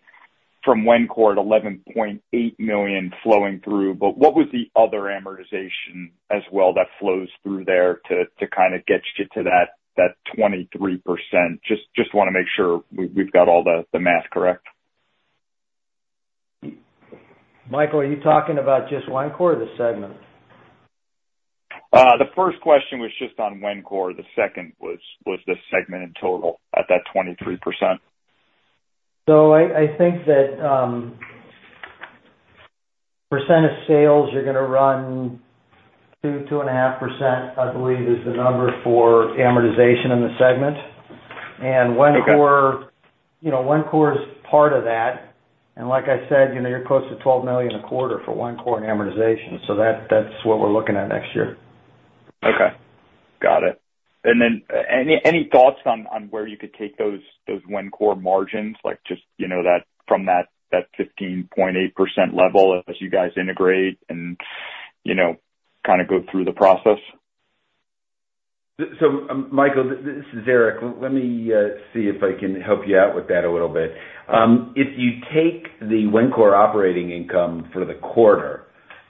from Wencor at $11.8 million flowing through, but what was the other amortization as well that flows through there to, to kind of get you to that, that 23%? Just, just want to make sure we've got all the, the math correct. Michael, are you talking about just Wencor or the segment? The first question was just on Wencor. The second was, the segment in total at that 23%. So I think that percent of sales are going to run 2%-2.5%, I believe is the number for amortization in the segment. Okay. Wencor, you know, Wencor is part of that, and like I said, you know, you're close to $12 million a quarter for Wencor in amortization, so that's what we're looking at next year. Okay. Got it. And then any thoughts on where you could take those Wencor margins, like just, you know, that 15.8% level as you guys integrate and, you know, kind of go through the process? So, Michael, this is Eric. Let me see if I can help you out with that a little bit. If you take the Wencor operating income for the quarter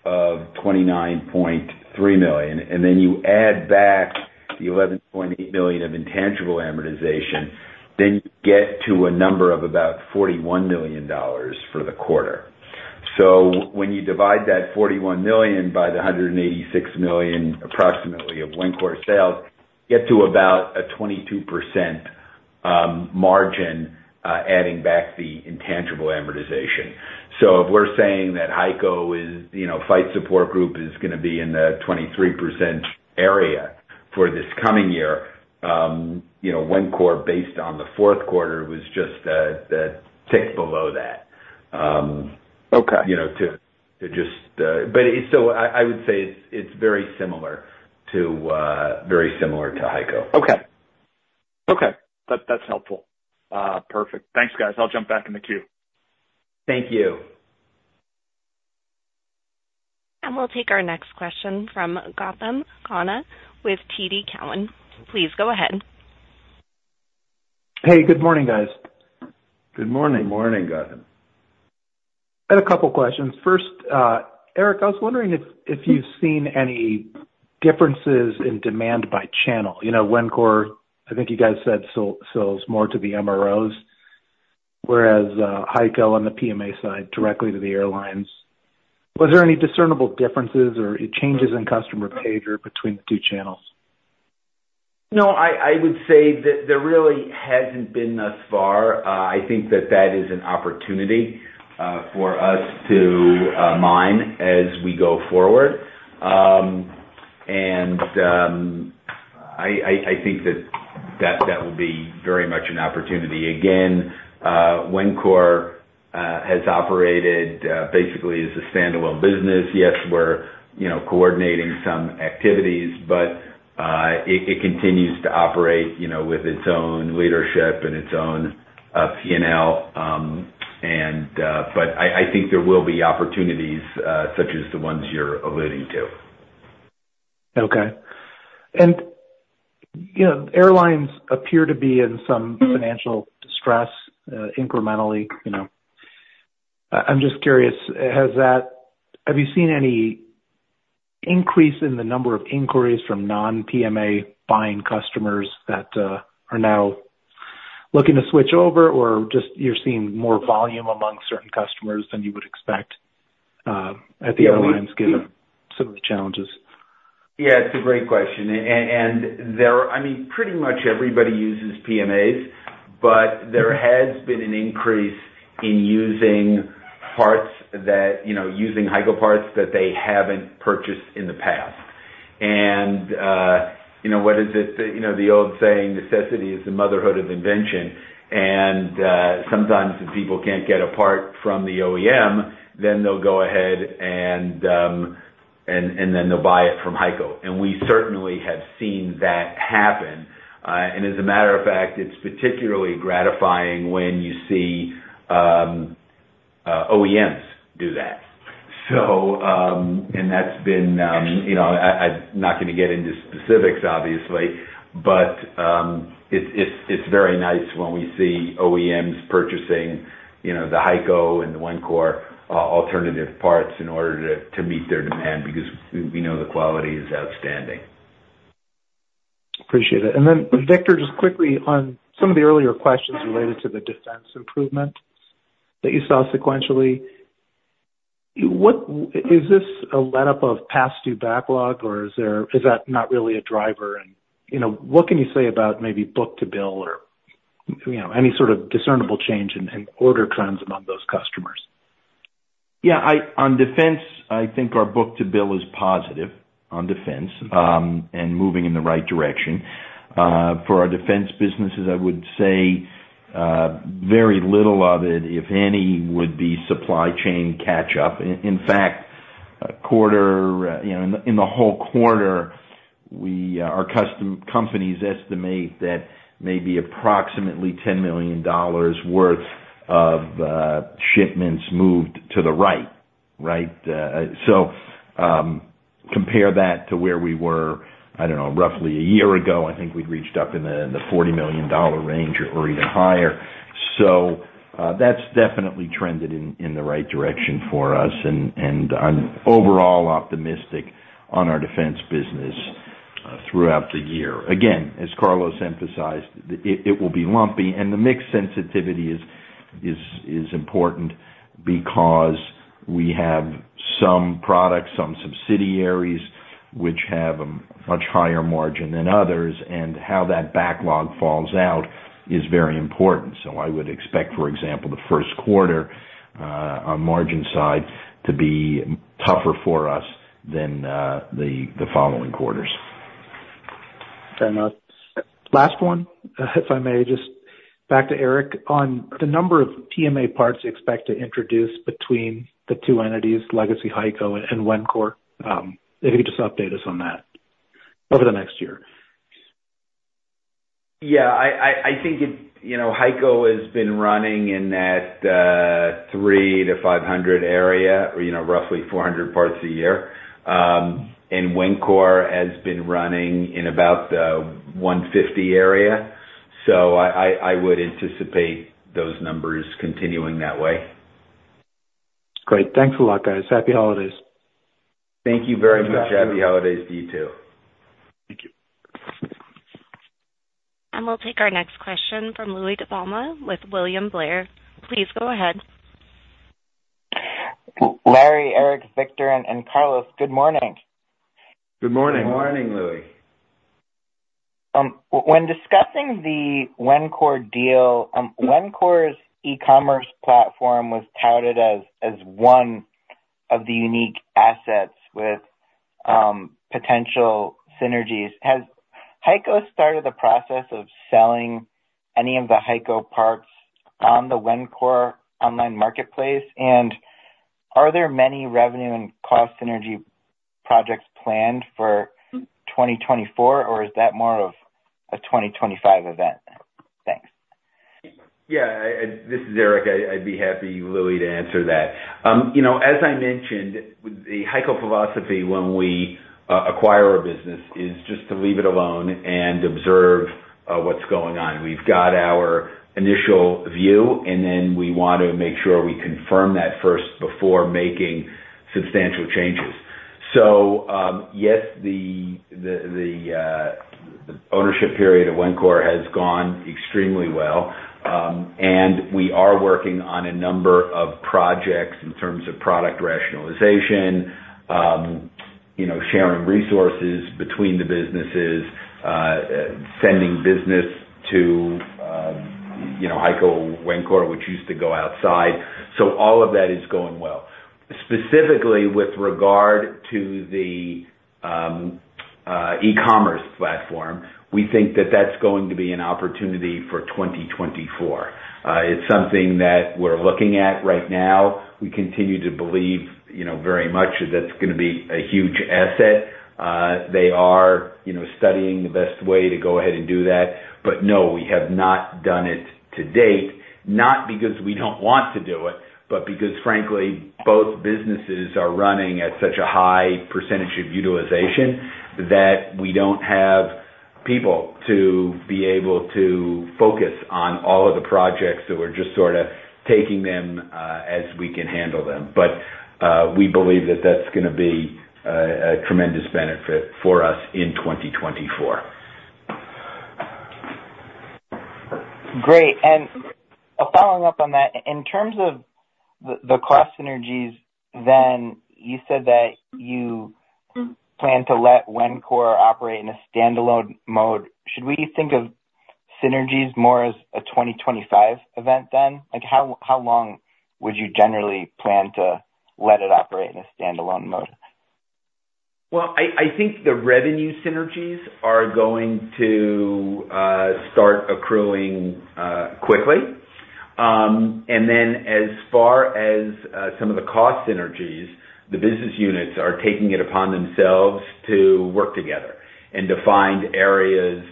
of $29.3 million, and then you add back the $11.8 million of intangible amortization, then you get to a number of about $41 million for the quarter. So when you divide that $41 million by the $186 million, approximately, of Wencor sales, you get to about a 22% margin, adding back the intangible amortization. So if we're saying that HEICO is, you know, Flight Support Group is going to be in the 23% area for this coming year, you know, Wencor, based on the fourth quarter, was just a tick below that. Okay. You know, to just. But it's still, I would say it's very similar to very similar to HEICO. Okay. Okay, that's helpful. Perfect. Thanks, guys. I'll jump back in the queue. Thank you. We'll take our next question from Gautam Khanna with TD Cowen. Please go ahead. Hey, good morning, guys. Good morning. Good morning, Gautam. I had a couple questions. First, Eric, I was wondering if you've seen any differences in demand by channel. You know, Wencor, I think you guys said, sells more to the MROs, whereas HEICO on the PMA side, directly to the airlines. Was there any discernible differences or changes in customer behavior between the two channels? No, I would say that there really hasn't been thus far. I think that that is an opportunity for us to mine as we go forward. And I think that that will be very much an opportunity. Again, Wencor has operated basically as a standalone business. Yes, we're, you know, coordinating some activities, but it continues to operate, you know, with its own leadership and its own P&L. And but I think there will be opportunities such as the ones you're alluding to. Okay. You know, airlines appear to be in some. Mm-hmm. financial distress, incrementally, you know. I'm just curious, have you seen any increase in the number of inquiries from non-PMA buying customers that are now looking to switch over, or just you're seeing more volume among certain customers than you would expect, at the airlines, given some of the challenges? Yeah, it's a great question. And there are. I mean, pretty much everybody uses PMAs, but there has been an increase in using parts that, you know, using HEICO parts that they haven't purchased in the past. And, you know, what is it? The, you know, the old saying, "Necessity is the motherhood of invention." And, sometimes when people can't get a part from the OEM, then they'll go ahead and then they'll buy it from HEICO. And we certainly have seen that happen. And as a matter of fact, it's particularly gratifying when you see, OEMs do that. That's been, you know, I'm not going to get into specifics, obviously, but it's very nice when we see OEMs purchasing, you know, the HEICO and the Wencor alternative parts in order to meet their demand, because we know the quality is outstanding. Appreciate it. And then, Victor, just quickly on some of the earlier questions related to the defense improvement that you saw sequentially, what is this a letup of past due backlog, or is that not really a driver? And, you know, what can you say about maybe book to bill or, you know, any sort of discernible change in order trends among those customers? Yeah, I, on defense, I think our book to bill is positive on defense, and moving in the right direction. For our defense businesses, I would say, very little of it, if any, would be supply chain catch up. In fact, a quarter, you know, in the whole quarter, we, our custom companies estimate that maybe approximately $10 million worth of shipments moved to the right. Right? So, compare that to where we were, I don't know, roughly a year ago, I think we'd reached up in the $40 million range or even higher. So, that's definitely trended in the right direction for us, and I'm overall optimistic on our defense business throughout the year. Again, as Carlos emphasized, it will be lumpy, and the mix sensitivity is important because we have some products, some subsidiaries, which have a much higher margin than others, and how that backlog falls out is very important. So I would expect, for example, the first quarter, on margin side, to be tougher for us than the following quarters. Fair enough. Last one, if I may, just back to Eric. On the number of TMA parts you expect to introduce between the two entities, legacy HEICO and Wencor, if you could just update us on that over the next year? Yeah, I think it. You know, HEICO has been running in that 300-500 area, or you know, roughly 400 parts a year. And Wencor has been running in about the 150 area. So I would anticipate those numbers continuing that way. Great. Thanks a lot, guys. Happy holidays. Thank you very much. Happy holidays to you, too. Thank you. We'll take our next question from Louie DiPalma with William Blair. Please go ahead. Larry, Eric, Victor, and Carlos, good morning. Good morning. Good morning, Louie. When discussing the Wencor deal, Wencor's e-commerce platform was touted as one of the unique assets with potential synergies. Has HEICO started the process of selling any of the HEICO parts on the Wencor online marketplace? And are there many revenue and cost synergy projects planned for 2024, or is that more of a 2025 event? Thanks. Yeah, this is Eric. I'd be happy, Louie, to answer that. You know, as I mentioned, the HEICO philosophy when we acquire a business is just to leave it alone and observe what's going on. We've got our initial view, and then we want to make sure we confirm that first before making substantial changes. So, yes, the ownership period of Wencor has gone extremely well, and we are working on a number of projects in terms of product rationalization, you know, sharing resources between the businesses, sending business to, you know, HEICO, Wencor, which used to go outside. So all of that is going well. Specifically with regard to the e-commerce platform, we think that that's going to be an opportunity for 2024. It's something that we're looking at right now. We continue to believe, you know, very much that's going to be a huge asset. They are, you know, studying the best way to go ahead and do that. But no, we have not done it to date, not because we don't want to do it, but because, frankly, both businesses are running at such a high percentage of utilization, that we don't have people to be able to focus on all of the projects that we're just sort of taking them, as we can handle them. But, we believe that that's going to be a tremendous benefit for us in 2024. Great. And following up on that, in terms of the cost synergies, then, you said that you plan to let Wencor operate in a standalone mode. Should we think of synergies more as a 2025 event then? Like, how long would you generally plan to let it operate in a standalone mode? Well, I think the revenue synergies are going to start accruing quickly. And then as far as some of the cost synergies, the business units are taking it upon themselves to work together and to find areas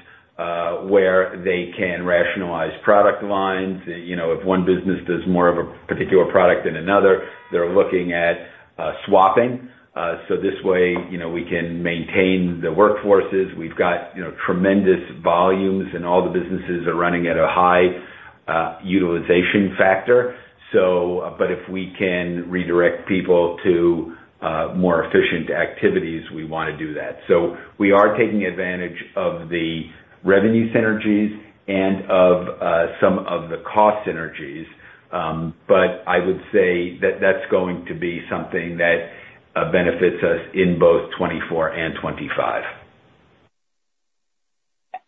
where they can rationalize product lines. You know, if one business does more of a particular product than another, they're looking at swapping. So this way, you know, we can maintain the workforces. We've got, you know, tremendous volumes, and all the businesses are running at a high utilization factor. So. But if we can redirect people to more efficient activities, we want to do that. So we are taking advantage of the revenue synergies and of some of the cost synergies, but I would say that that's going to be something that benefits us in both 2024 and 2025.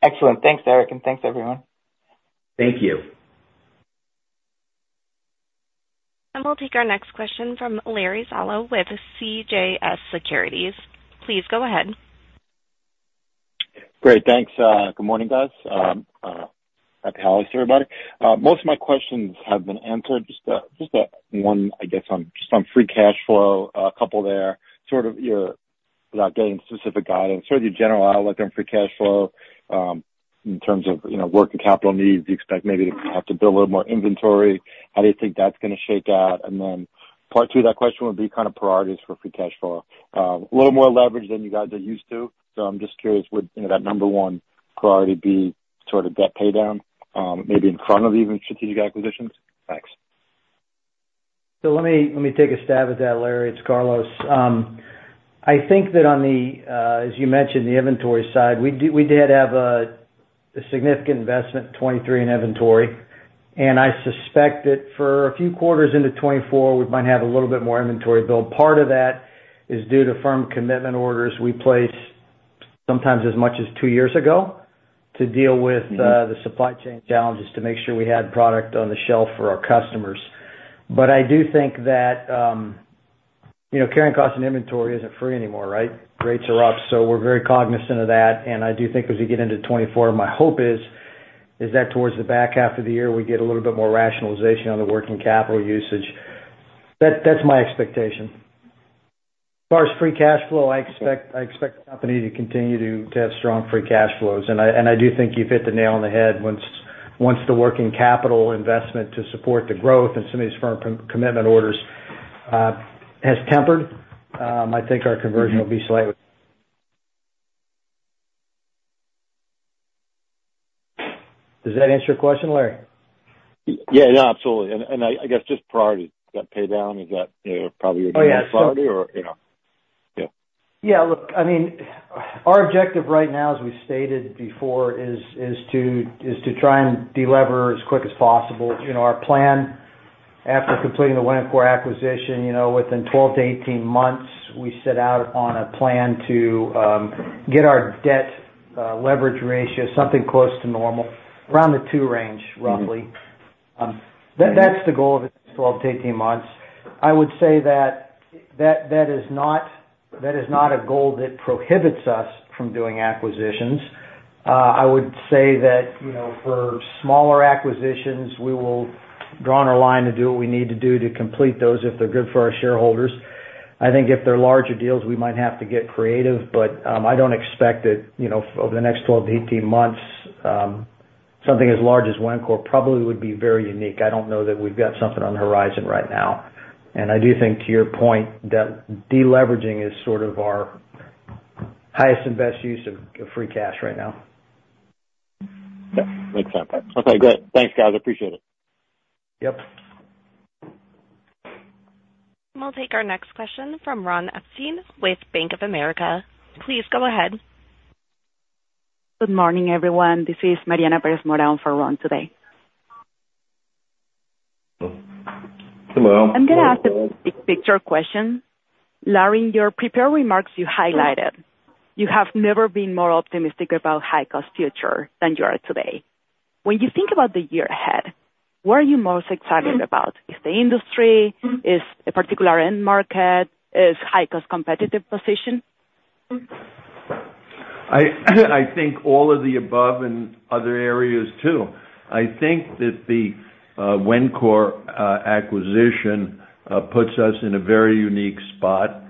Excellent. Thanks, Eric, and thanks everyone. Thank you. We'll take our next question from Larry Zolo with CJS Securities. Please go ahead. Great, thanks. Good morning, guys. Happy holidays, everybody. Most of my questions have been answered. Just one, I guess, on free cash flow, a couple there. Sort of your, without getting specific guidance, sort of your general outlook on free cash flow, in terms of, you know, working capital needs. Do you expect maybe to have to build a little more inventory? How do you think that's going to shake out? And then part two of that question would be kind of priorities for free cash flow. A little more leverage than you guys are used to, so I'm just curious, would, you know, that number one priority be sort of debt paydown, maybe in front of even strategic acquisitions? Thanks. So let me take a stab at that, Larry. It's Carlos. I think that on the, as you mentioned, the inventory side, we did have a significant investment, 2023, in inventory. And I suspect that for a few quarters into 2024, we might have a little bit more inventory build. Part of that is due to firm commitment orders we placed sometimes as much as two years ago, to deal with- Mm-hmm the supply chain challenges, to make sure we had product on the shelf for our customers. But I do think that, you know, carrying cost and inventory isn't free anymore, right? Rates are up, so we're very cognizant of that, and I do think as we get into 2024, my hope is that towards the back half of the year, we get a little bit more rationalization on the working capital usage. That's my expectation. As far as free cash flow, I expect the company to continue to have strong free cash flows. And I do think you've hit the nail on the head. Once the working capital investment to support the growth and some of these firm commitment orders has tempered, I think our conversion- Mm-hmm will be slightly. Does that answer your question, Larry? Yeah, yeah, absolutely. I guess just priorities, that paydown, is that, you know, probably a priority- Oh, yeah You know, yeah. Yeah, look, I mean, our objective right now, as we've stated before, is to try and delever as quick as possible. You know, our plan after completing the Wencor acquisition, you know, within 12-18 months, we set out on a plan to get our debt leverage ratio something close to normal, around the 2 range, roughly. Mm-hmm. That's the goal of the 12-18 months. I would say that is not a goal that prohibits us from doing acquisitions. I would say that, you know, for smaller acquisitions, we will draw on our line to do what we need to do to complete those, if they're good for our shareholders. I think if they're larger deals, we might have to get creative, but I don't expect it. You know, over the next 12-18 months, something as large as Wencor probably would be very unique. I don't know that we've got something on the horizon right now. I do think, to your point, that deleveraging is sort of our highest and best use of free cash right now. Yeah, makes sense. Okay, great. Thanks, guys, I appreciate it. Yep. We'll take our next question from Ron Epstein with Bank of America. Please go ahead. Good morning, everyone. This is Mariana Perez-Moral for Ron today. Hello. I'm going to ask the big picture question. Larry, in your prepared remarks, you highlighted, "You have never been more optimistic about HEICO's future than you are today." When you think about the year ahead, what are you most excited about? Is the industry, is a particular end market, is HEICO's competitive position? I think all of the above and other areas, too. I think that the Wencor acquisition puts us in a very unique spot.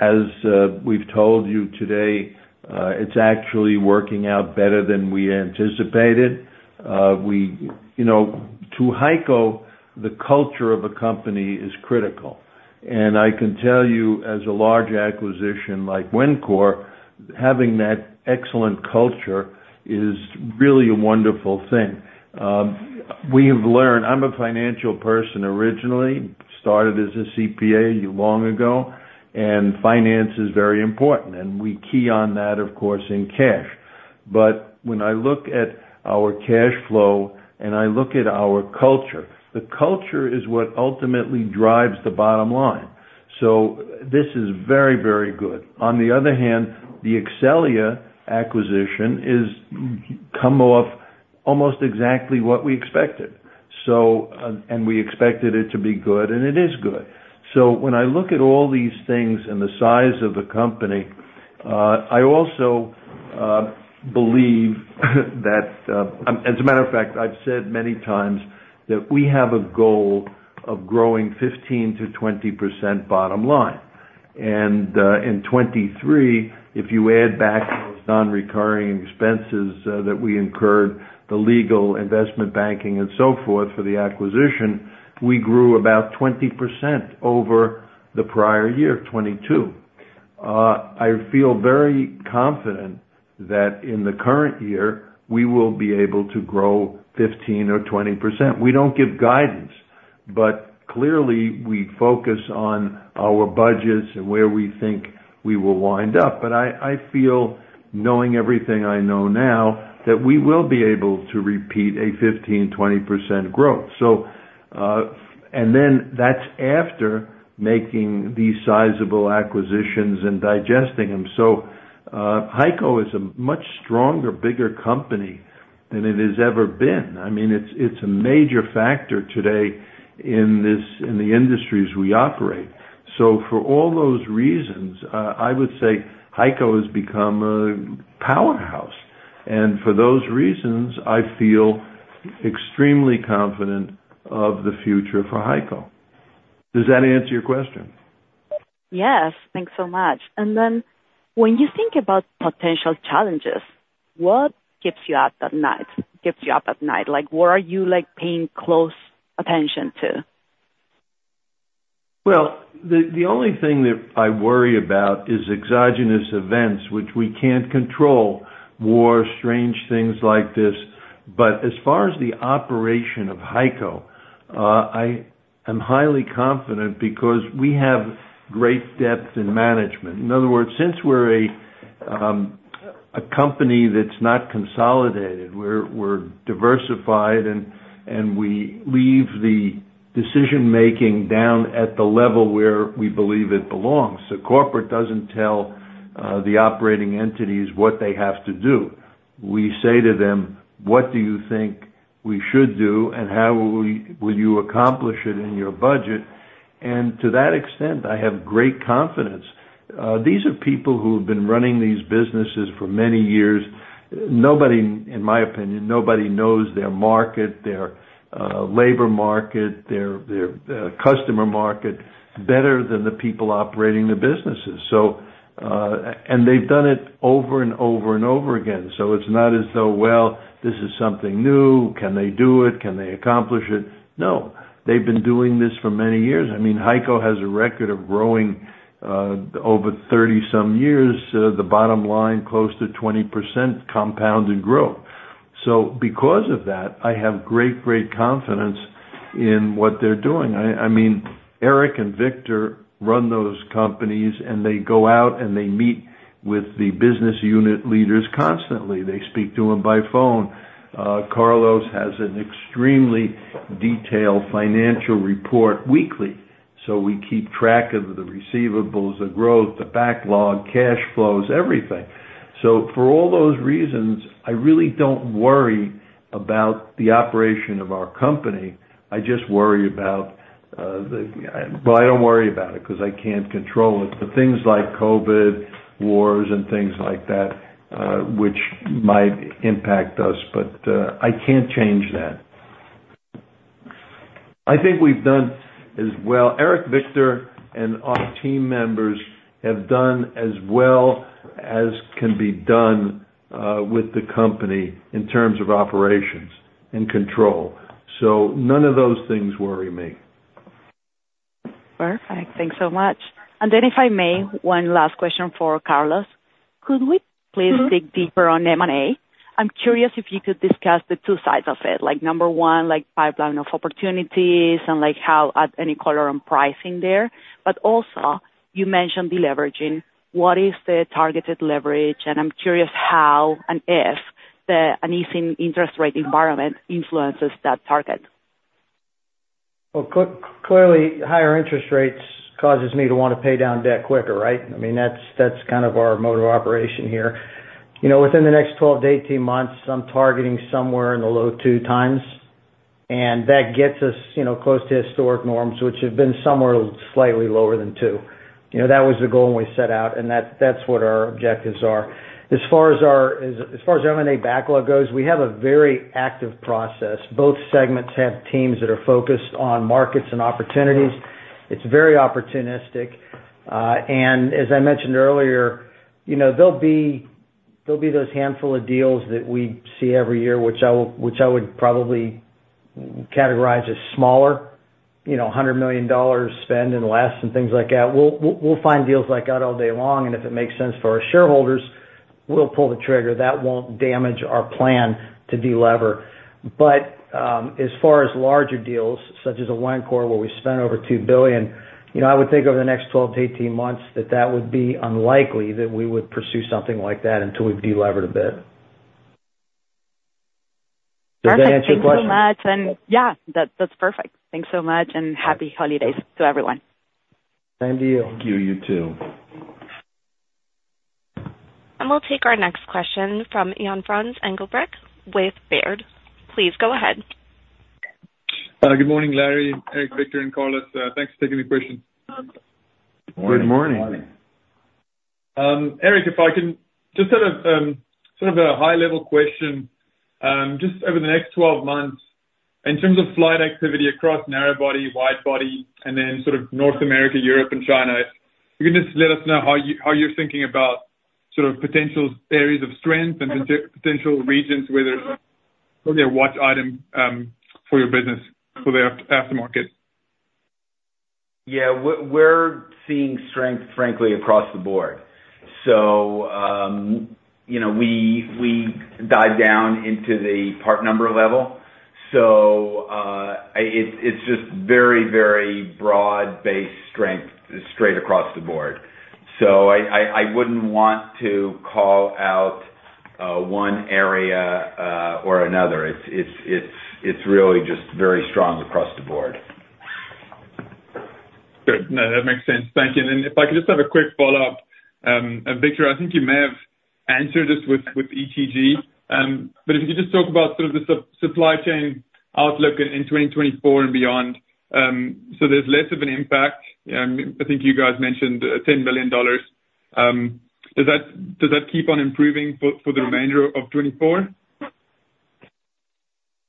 As we've told you today, it's actually working out better than we anticipated. You know, to HEICO, the culture of a company is critical, and I can tell you, as a large acquisition like Wencor, having that excellent culture is really a wonderful thing. We have learned. I'm a financial person, originally. Started as a CPA long ago, and finance is very important, and we key on that, of course, in cash. But when I look at our cash flow and I look at our culture, the culture is what ultimately drives the bottom line. So this is very, very good. On the other hand, the Exxelia acquisition is come off almost exactly what we expected. So, and we expected it to be good, and it is good. So when I look at all these things and the size of the company, I also believe, As a matter of fact, I've said many times that we have a goal of growing 15%-20% bottom line. And, in 2023, if you add back those non-recurring expenses, that we incurred, the legal investment banking and so forth, for the acquisition, we grew about 20% over the prior year, 2022. I feel very confident that in the current year, we will be able to grow 15% or 20%. We don't give guidance, but clearly we focus on our budgets and where we think we will wind up. But I feel, knowing everything I know now, that we will be able to repeat a 15%-20% growth. And then that's after making these sizable acquisitions and digesting them. So, HEICO is a much stronger, bigger company than it has ever been. I mean, it's a major factor today in this in the industries we operate. So for all those reasons, I would say HEICO has become a powerhouse, and for those reasons, I feel extremely confident of the future for HEICO. Does that answer your question? Yes. Thanks so much. And then when you think about potential challenges, what keeps you up at night? Keeps you up at night, like, what are you, like, paying close attention to? Well, the only thing that I worry about is exogenous events, which we can't control, war, strange things like this. But as far as the operation of HEICO, I am highly confident because we have great depth in management. In other words, since we're a company that's not consolidated, we're diversified, and we leave the decision-making down at the level where we believe it belongs. So corporate doesn't tell the operating entities what they have to do. We say to them: "What do you think we should do, and how will you accomplish it in your budget?" And to that extent, I have great confidence. These are people who have been running these businesses for many years. Nobody, in my opinion, nobody knows their market, their labor market, their customer market, better than the people operating the businesses. So, and they've done it over and over and over again. So it's not as though, well, this is something new. Can they do it? Can they accomplish it? No, they've been doing this for many years. I mean, HEICO has a record of growing over 30-some years the bottom line, close to 20% compounded growth. So because of that, I have great, great confidence in what they're doing. I mean, Eric and Victor run those companies, and they go out, and they meet with the business unit leaders constantly. They speak to them by phone. Carlos has an extremely detailed financial report weekly, so we keep track of the receivables, the growth, the backlog, cash flows, everything. So for all those reasons, I really don't worry about the operation of our company. I just worry about, Well, I don't worry about it because I can't control it, but things like COVID, wars and things like that, which might impact us, but, I can't change that. I think we've done as well, Eric, Victor, and our team members have done as well as can be done, with the company in terms of operations and control. So none of those things worry me. Perfect. Thanks so much. And then, if I may, one last question for Carlos. Could we please dig deeper on M&A? I'm curious if you could discuss the two sides of it, like, number one, like, pipeline of opportunities and, like, how, add any color on pricing there. But also, you mentioned deleveraging. What is the targeted leverage? And I'm curious how and if the an easing interest rate environment influences that target? Well, clearly, higher interest rates causes me to want to pay down debt quicker, right? I mean, that's kind of our mode of operation here. You know, within the next 12-18 months, I'm targeting somewhere in the low 2 times, and that gets us, you know, close to historic norms, which have been somewhere slightly lower than 2. You know, that was the goal when we set out, and that's what our objectives are. As far as our M&A backlog goes, we have a very active process. Both segments have teams that are focused on markets and opportunities. It's very opportunistic. And as I mentioned earlier, you know, there'll be those handful of deals that we see every year, which I would probably categorize as smaller, you know, $100 million spend and less, and things like that. We'll find deals like that all day long, and if it makes sense for our shareholders, we'll pull the trigger. That won't damage our plan to delever. But as far as larger deals, such as a Wencor, where we spent over $2 billion, you know, I would think over the next 12-18 months, that that would be unlikely that we would pursue something like that until we've delevered a bit. Does that answer your question? Perfect. Thanks so much. And yeah, that, that's perfect. Thanks so much, and happy holidays to everyone. And to you. Thank you. You, too. We'll take our next question from Jan Frans Engelbrecht with Baird. Please go ahead. Good morning, Larry, Eric, Victor, and Carlos. Thanks for taking the question. Good morning. Good morning. Eric, if I can just have a sort of a high-level question, just over the next 12 months, in terms of flight activity across narrow body, wide body, and then sort of North America, Europe, and China, you can just let us know how you, how you're thinking about sort of potential areas of strength and potential regions where there's probably a watch item, for your business for the aftermarket. Yeah, we're seeing strength, frankly, across the board. So, you know, we dive down into the part number level. So, it's just very, very broad-based strength straight across the board. So I wouldn't want to call out one area or another. It's really just very strong across the board. Good. No, that makes sense. Thank you. And then if I could just have a quick follow-up. Victor, I think you may have answered this with, with ETG, but if you could just talk about sort of the supply chain outlook in, in 2024 and beyond. So there's less of an impact, I think you guys mentioned, $10 billion. Does that, does that keep on improving for, for the remainder of 2024?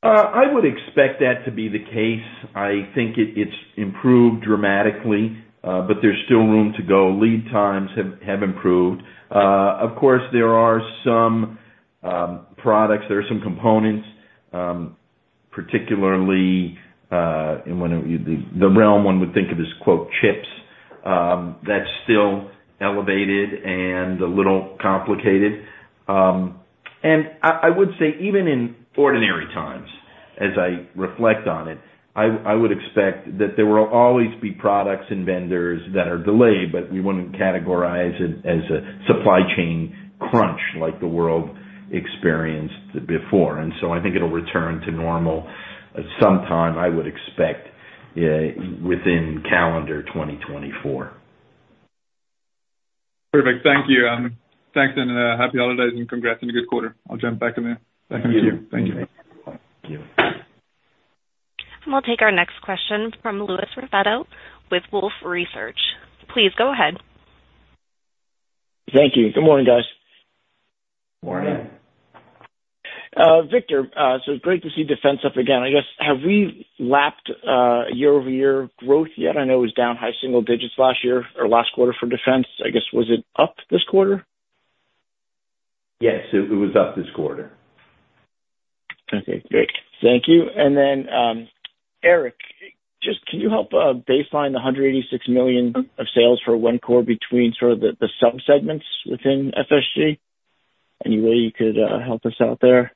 I would expect that to be the case. I think it, it's improved dramatically, but there's still room to go. Lead times have improved. Of course, there are some products, there are some components, particularly in one of the realm one would think of as, quote, "chips," that's still elevated and a little complicated. And I would say even in ordinary times, as I reflect on it, I would expect that there will always be products and vendors that are delayed, but we wouldn't categorize it as a supply chain crunch like the world experienced before. And so I think it'll return to normal at some time, I would expect, within calendar 2024. Perfect. Thank you. Thanks and happy holidays, and congrats on a good quarter. I'll jump back in there. Thank you. Thank you. We'll take our next question from Louis Raffetto with Wolfe Research. Please go ahead. Thank you. Good morning, guys. Morning. Victor, so it's great to see defense up again. I guess, have we lapped year-over-year growth yet? I know it was down high single digits last year or last quarter for defense. I guess, was it up this quarter? Yes, it was up this quarter. Okay, great. Thank you. And then, Eric, just can you help baseline the $186 million of sales for Wencor between sort of the subsegments within FSG? Any way you could help us out there?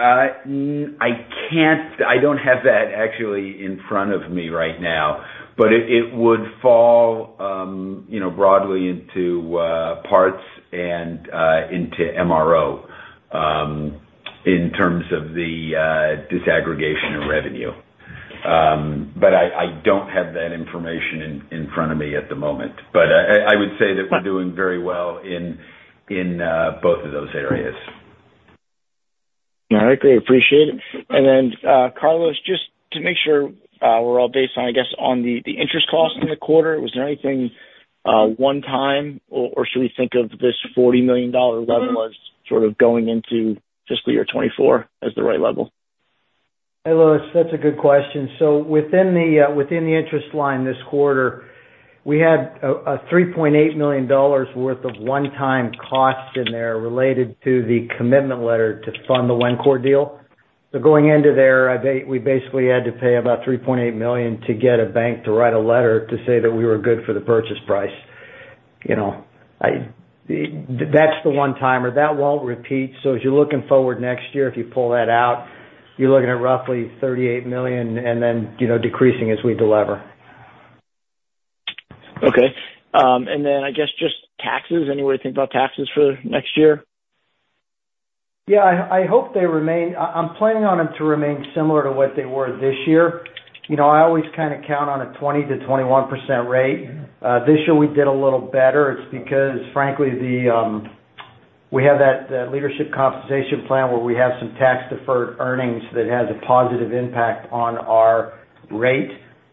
I can't. I don't have that actually in front of me right now, but it would fall, you know, broadly into parts and into MRO, in terms of the disaggregation of revenue. But I would say that we're doing very well in both of those areas. All right, great, appreciate it. And then, Carlos, just to make sure, we're all based on, I guess, on the interest cost in the quarter, was there anything one time, or should we think of this $40 million level as sort of going into fiscal year 2024 as the right level? Hey, Louis, that's a good question. So within the interest line this quarter, we had a $3.8 million worth of one-time costs in there related to the commitment letter to fund the Wencor deal. So going into there, we basically had to pay about $3.8 million to get a bank to write a letter to say that we were good for the purchase price. You know, that's the one-timer. That won't repeat, so as you're looking forward next year, if you pull that out, you're looking at roughly $38 million and then, you know, decreasing as we deliver. Okay, and then I guess just taxes. Any way to think about taxes for next year? Yeah, I hope they remain. I'm planning on them to remain similar to what they were this year. You know, I always kind of count on a 20%-21% rate. This year we did a little better. It's because, frankly, we have that leadership compensation plan, where we have some tax-deferred earnings that has a positive impact on our rate.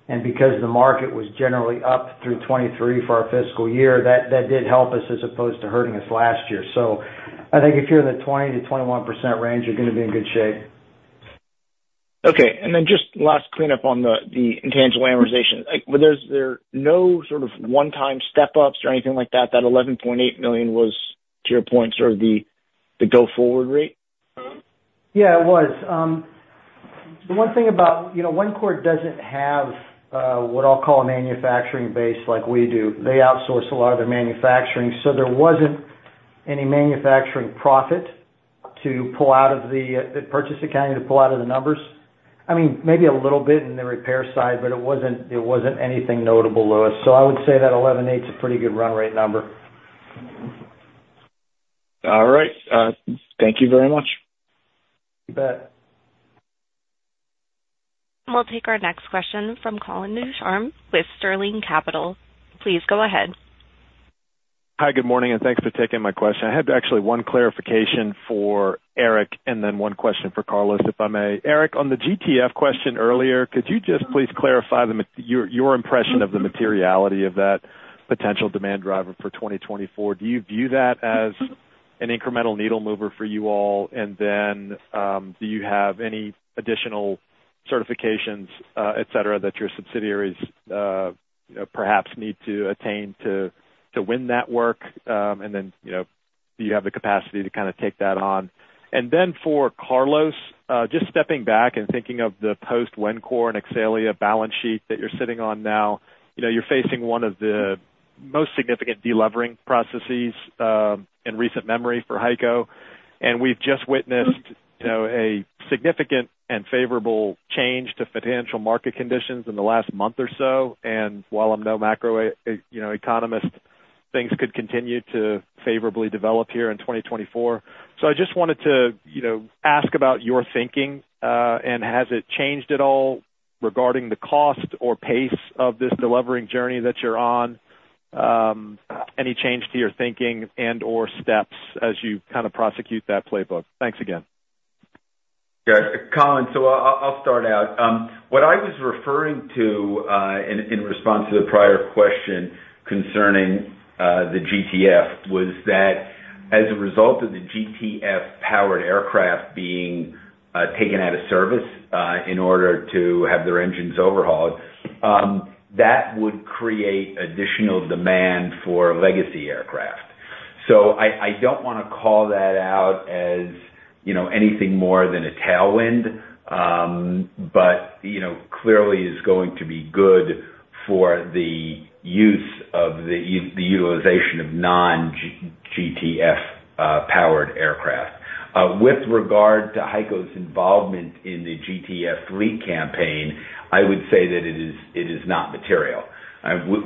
And because the market was generally up through 2023 for our fiscal year, that did help us as opposed to hurting us last year. So I think if you're in the 20%-21% range, you're going to be in good shape. Okay, and then just last cleanup on the intangible amortization. Like, were there no sort of one-time step-ups or anything like that? That $11.8 million was, to your point, sort of the go-forward rate? Yeah, it was. The one thing about, you know, Wencor doesn't have what I'll call a manufacturing base like we do. They outsource a lot of their manufacturing, so there wasn't any manufacturing profit to pull out of the purchase accounting to pull out of the numbers. I mean, maybe a little bit in the repair side, but it wasn't anything notable, Louis. So I would say that $11.8's a pretty good run rate number. All right. Thank you very much. You bet. We'll take our next question from Colin Ducharme with Sterling Capital. Please go ahead. Hi, good morning, and thanks for taking my question. I had actually one clarification for Eric and then one question for Carlos, if I may. Eric, on the GTF question earlier, could you just please clarify your impression of the materiality of that potential demand driver for 2024? Do you view that as an incremental needle mover for you all? And then, do you have any additional certifications, et cetera, that your subsidiaries, perhaps need to attain to win that work? And then, you know, do you have the capacity to kind of take that on? And then for Carlos, just stepping back and thinking of the post Wencor and Exxelia balance sheet that you're sitting on now, you know, you're facing one of the most significant delevering processes in recent memory for HEICO, and we've just witnessed You know, a significant and favorable change to financial market conditions in the last month or so. While I'm no macro economist, things could continue to favorably develop here in 2024. So I just wanted to, you know, ask about your thinking, and has it changed at all regarding the cost or pace of this delivering journey that you're on? Any change to your thinking and/or steps as you kind of prosecute that playbook? Thanks again. Yeah, Colin, so I'll start out. What I was referring to in response to the prior question concerning the GTF was that as a result of the GTF-powered aircraft being taken out of service in order to have their engines overhauled, that would create additional demand for legacy aircraft. So I don't want to call that out as, you know, anything more than a tailwind, but, you know, clearly is going to be good for the utilization of non-GTF powered aircraft. With regard to HEICO's involvement in the GTF 3 campaign, I would say that it is not material.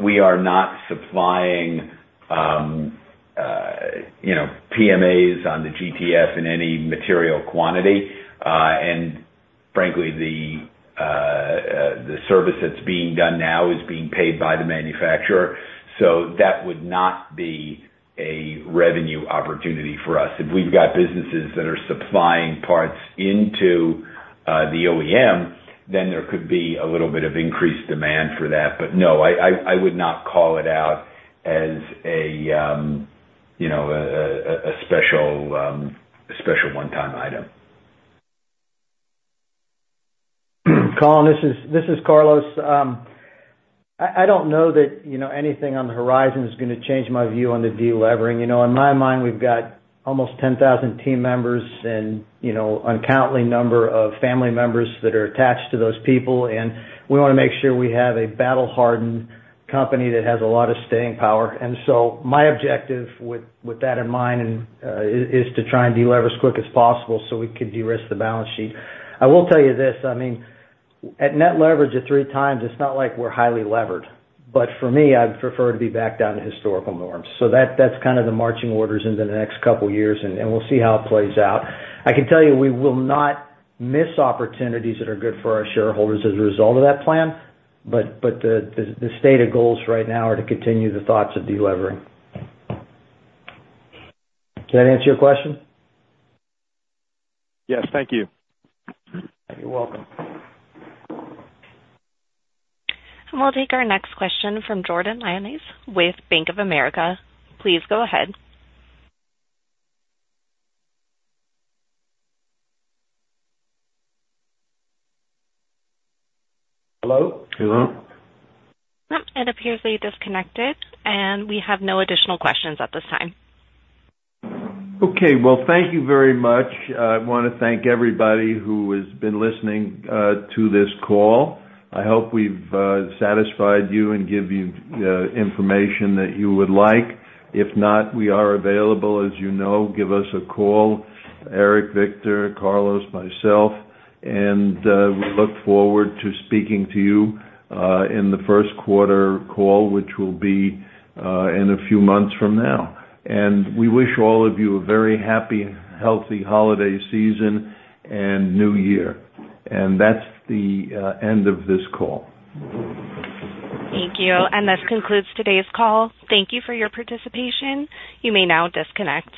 We are not supplying, you know, PMAs on the GTF in any material quantity. And frankly, the service that's being done now is being paid by the manufacturer, so that would not be a revenue opportunity for us. If we've got businesses that are supplying parts into the OEM, then there could be a little bit of increased demand for that. But no, I would not call it out as a, you know, a special one-time item. Colin, this is Carlos. I don't know that, you know, anything on the horizon is going to change my view on the delevering. You know, in my mind, we've got almost 10,000 team members and, you know, uncountable number of family members that are attached to those people, and we want to make sure we have a battle-hardened company that has a lot of staying power. And so my objective with that in mind and is to try and delever as quick as possible so we could de-risk the balance sheet. I will tell you this, I mean, at net leverage at 3 times, it's not like we're highly levered. But for me, I'd prefer to be back down to historical norms. So that's kind of the marching orders into the next couple years, and we'll see how it plays out. I can tell you, we will not miss opportunities that are good for our shareholders as a result of that plan, but the stated goals right now are to continue the thoughts of delevering. Did that answer your question? Yes, thank you. You're welcome. We'll take our next question from Jordan Lioness with Bank of America. Please go ahead. Hello? Hello? Nope, it appears we disconnected, and we have no additional questions at this time. Okay. Well, thank you very much. I want to thank everybody who has been listening to this call. I hope we've satisfied you and give you information that you would like. If not, we are available, as you know. Give us a call, Eric, Victor, Carlos, myself, and we look forward to speaking to you in the first quarter call, which will be in a few months from now. And we wish all of you a very happy, healthy holiday season and New Year. And that's the end of this call. Thank you. This concludes today's call. Thank you for your participation. You may now disconnect.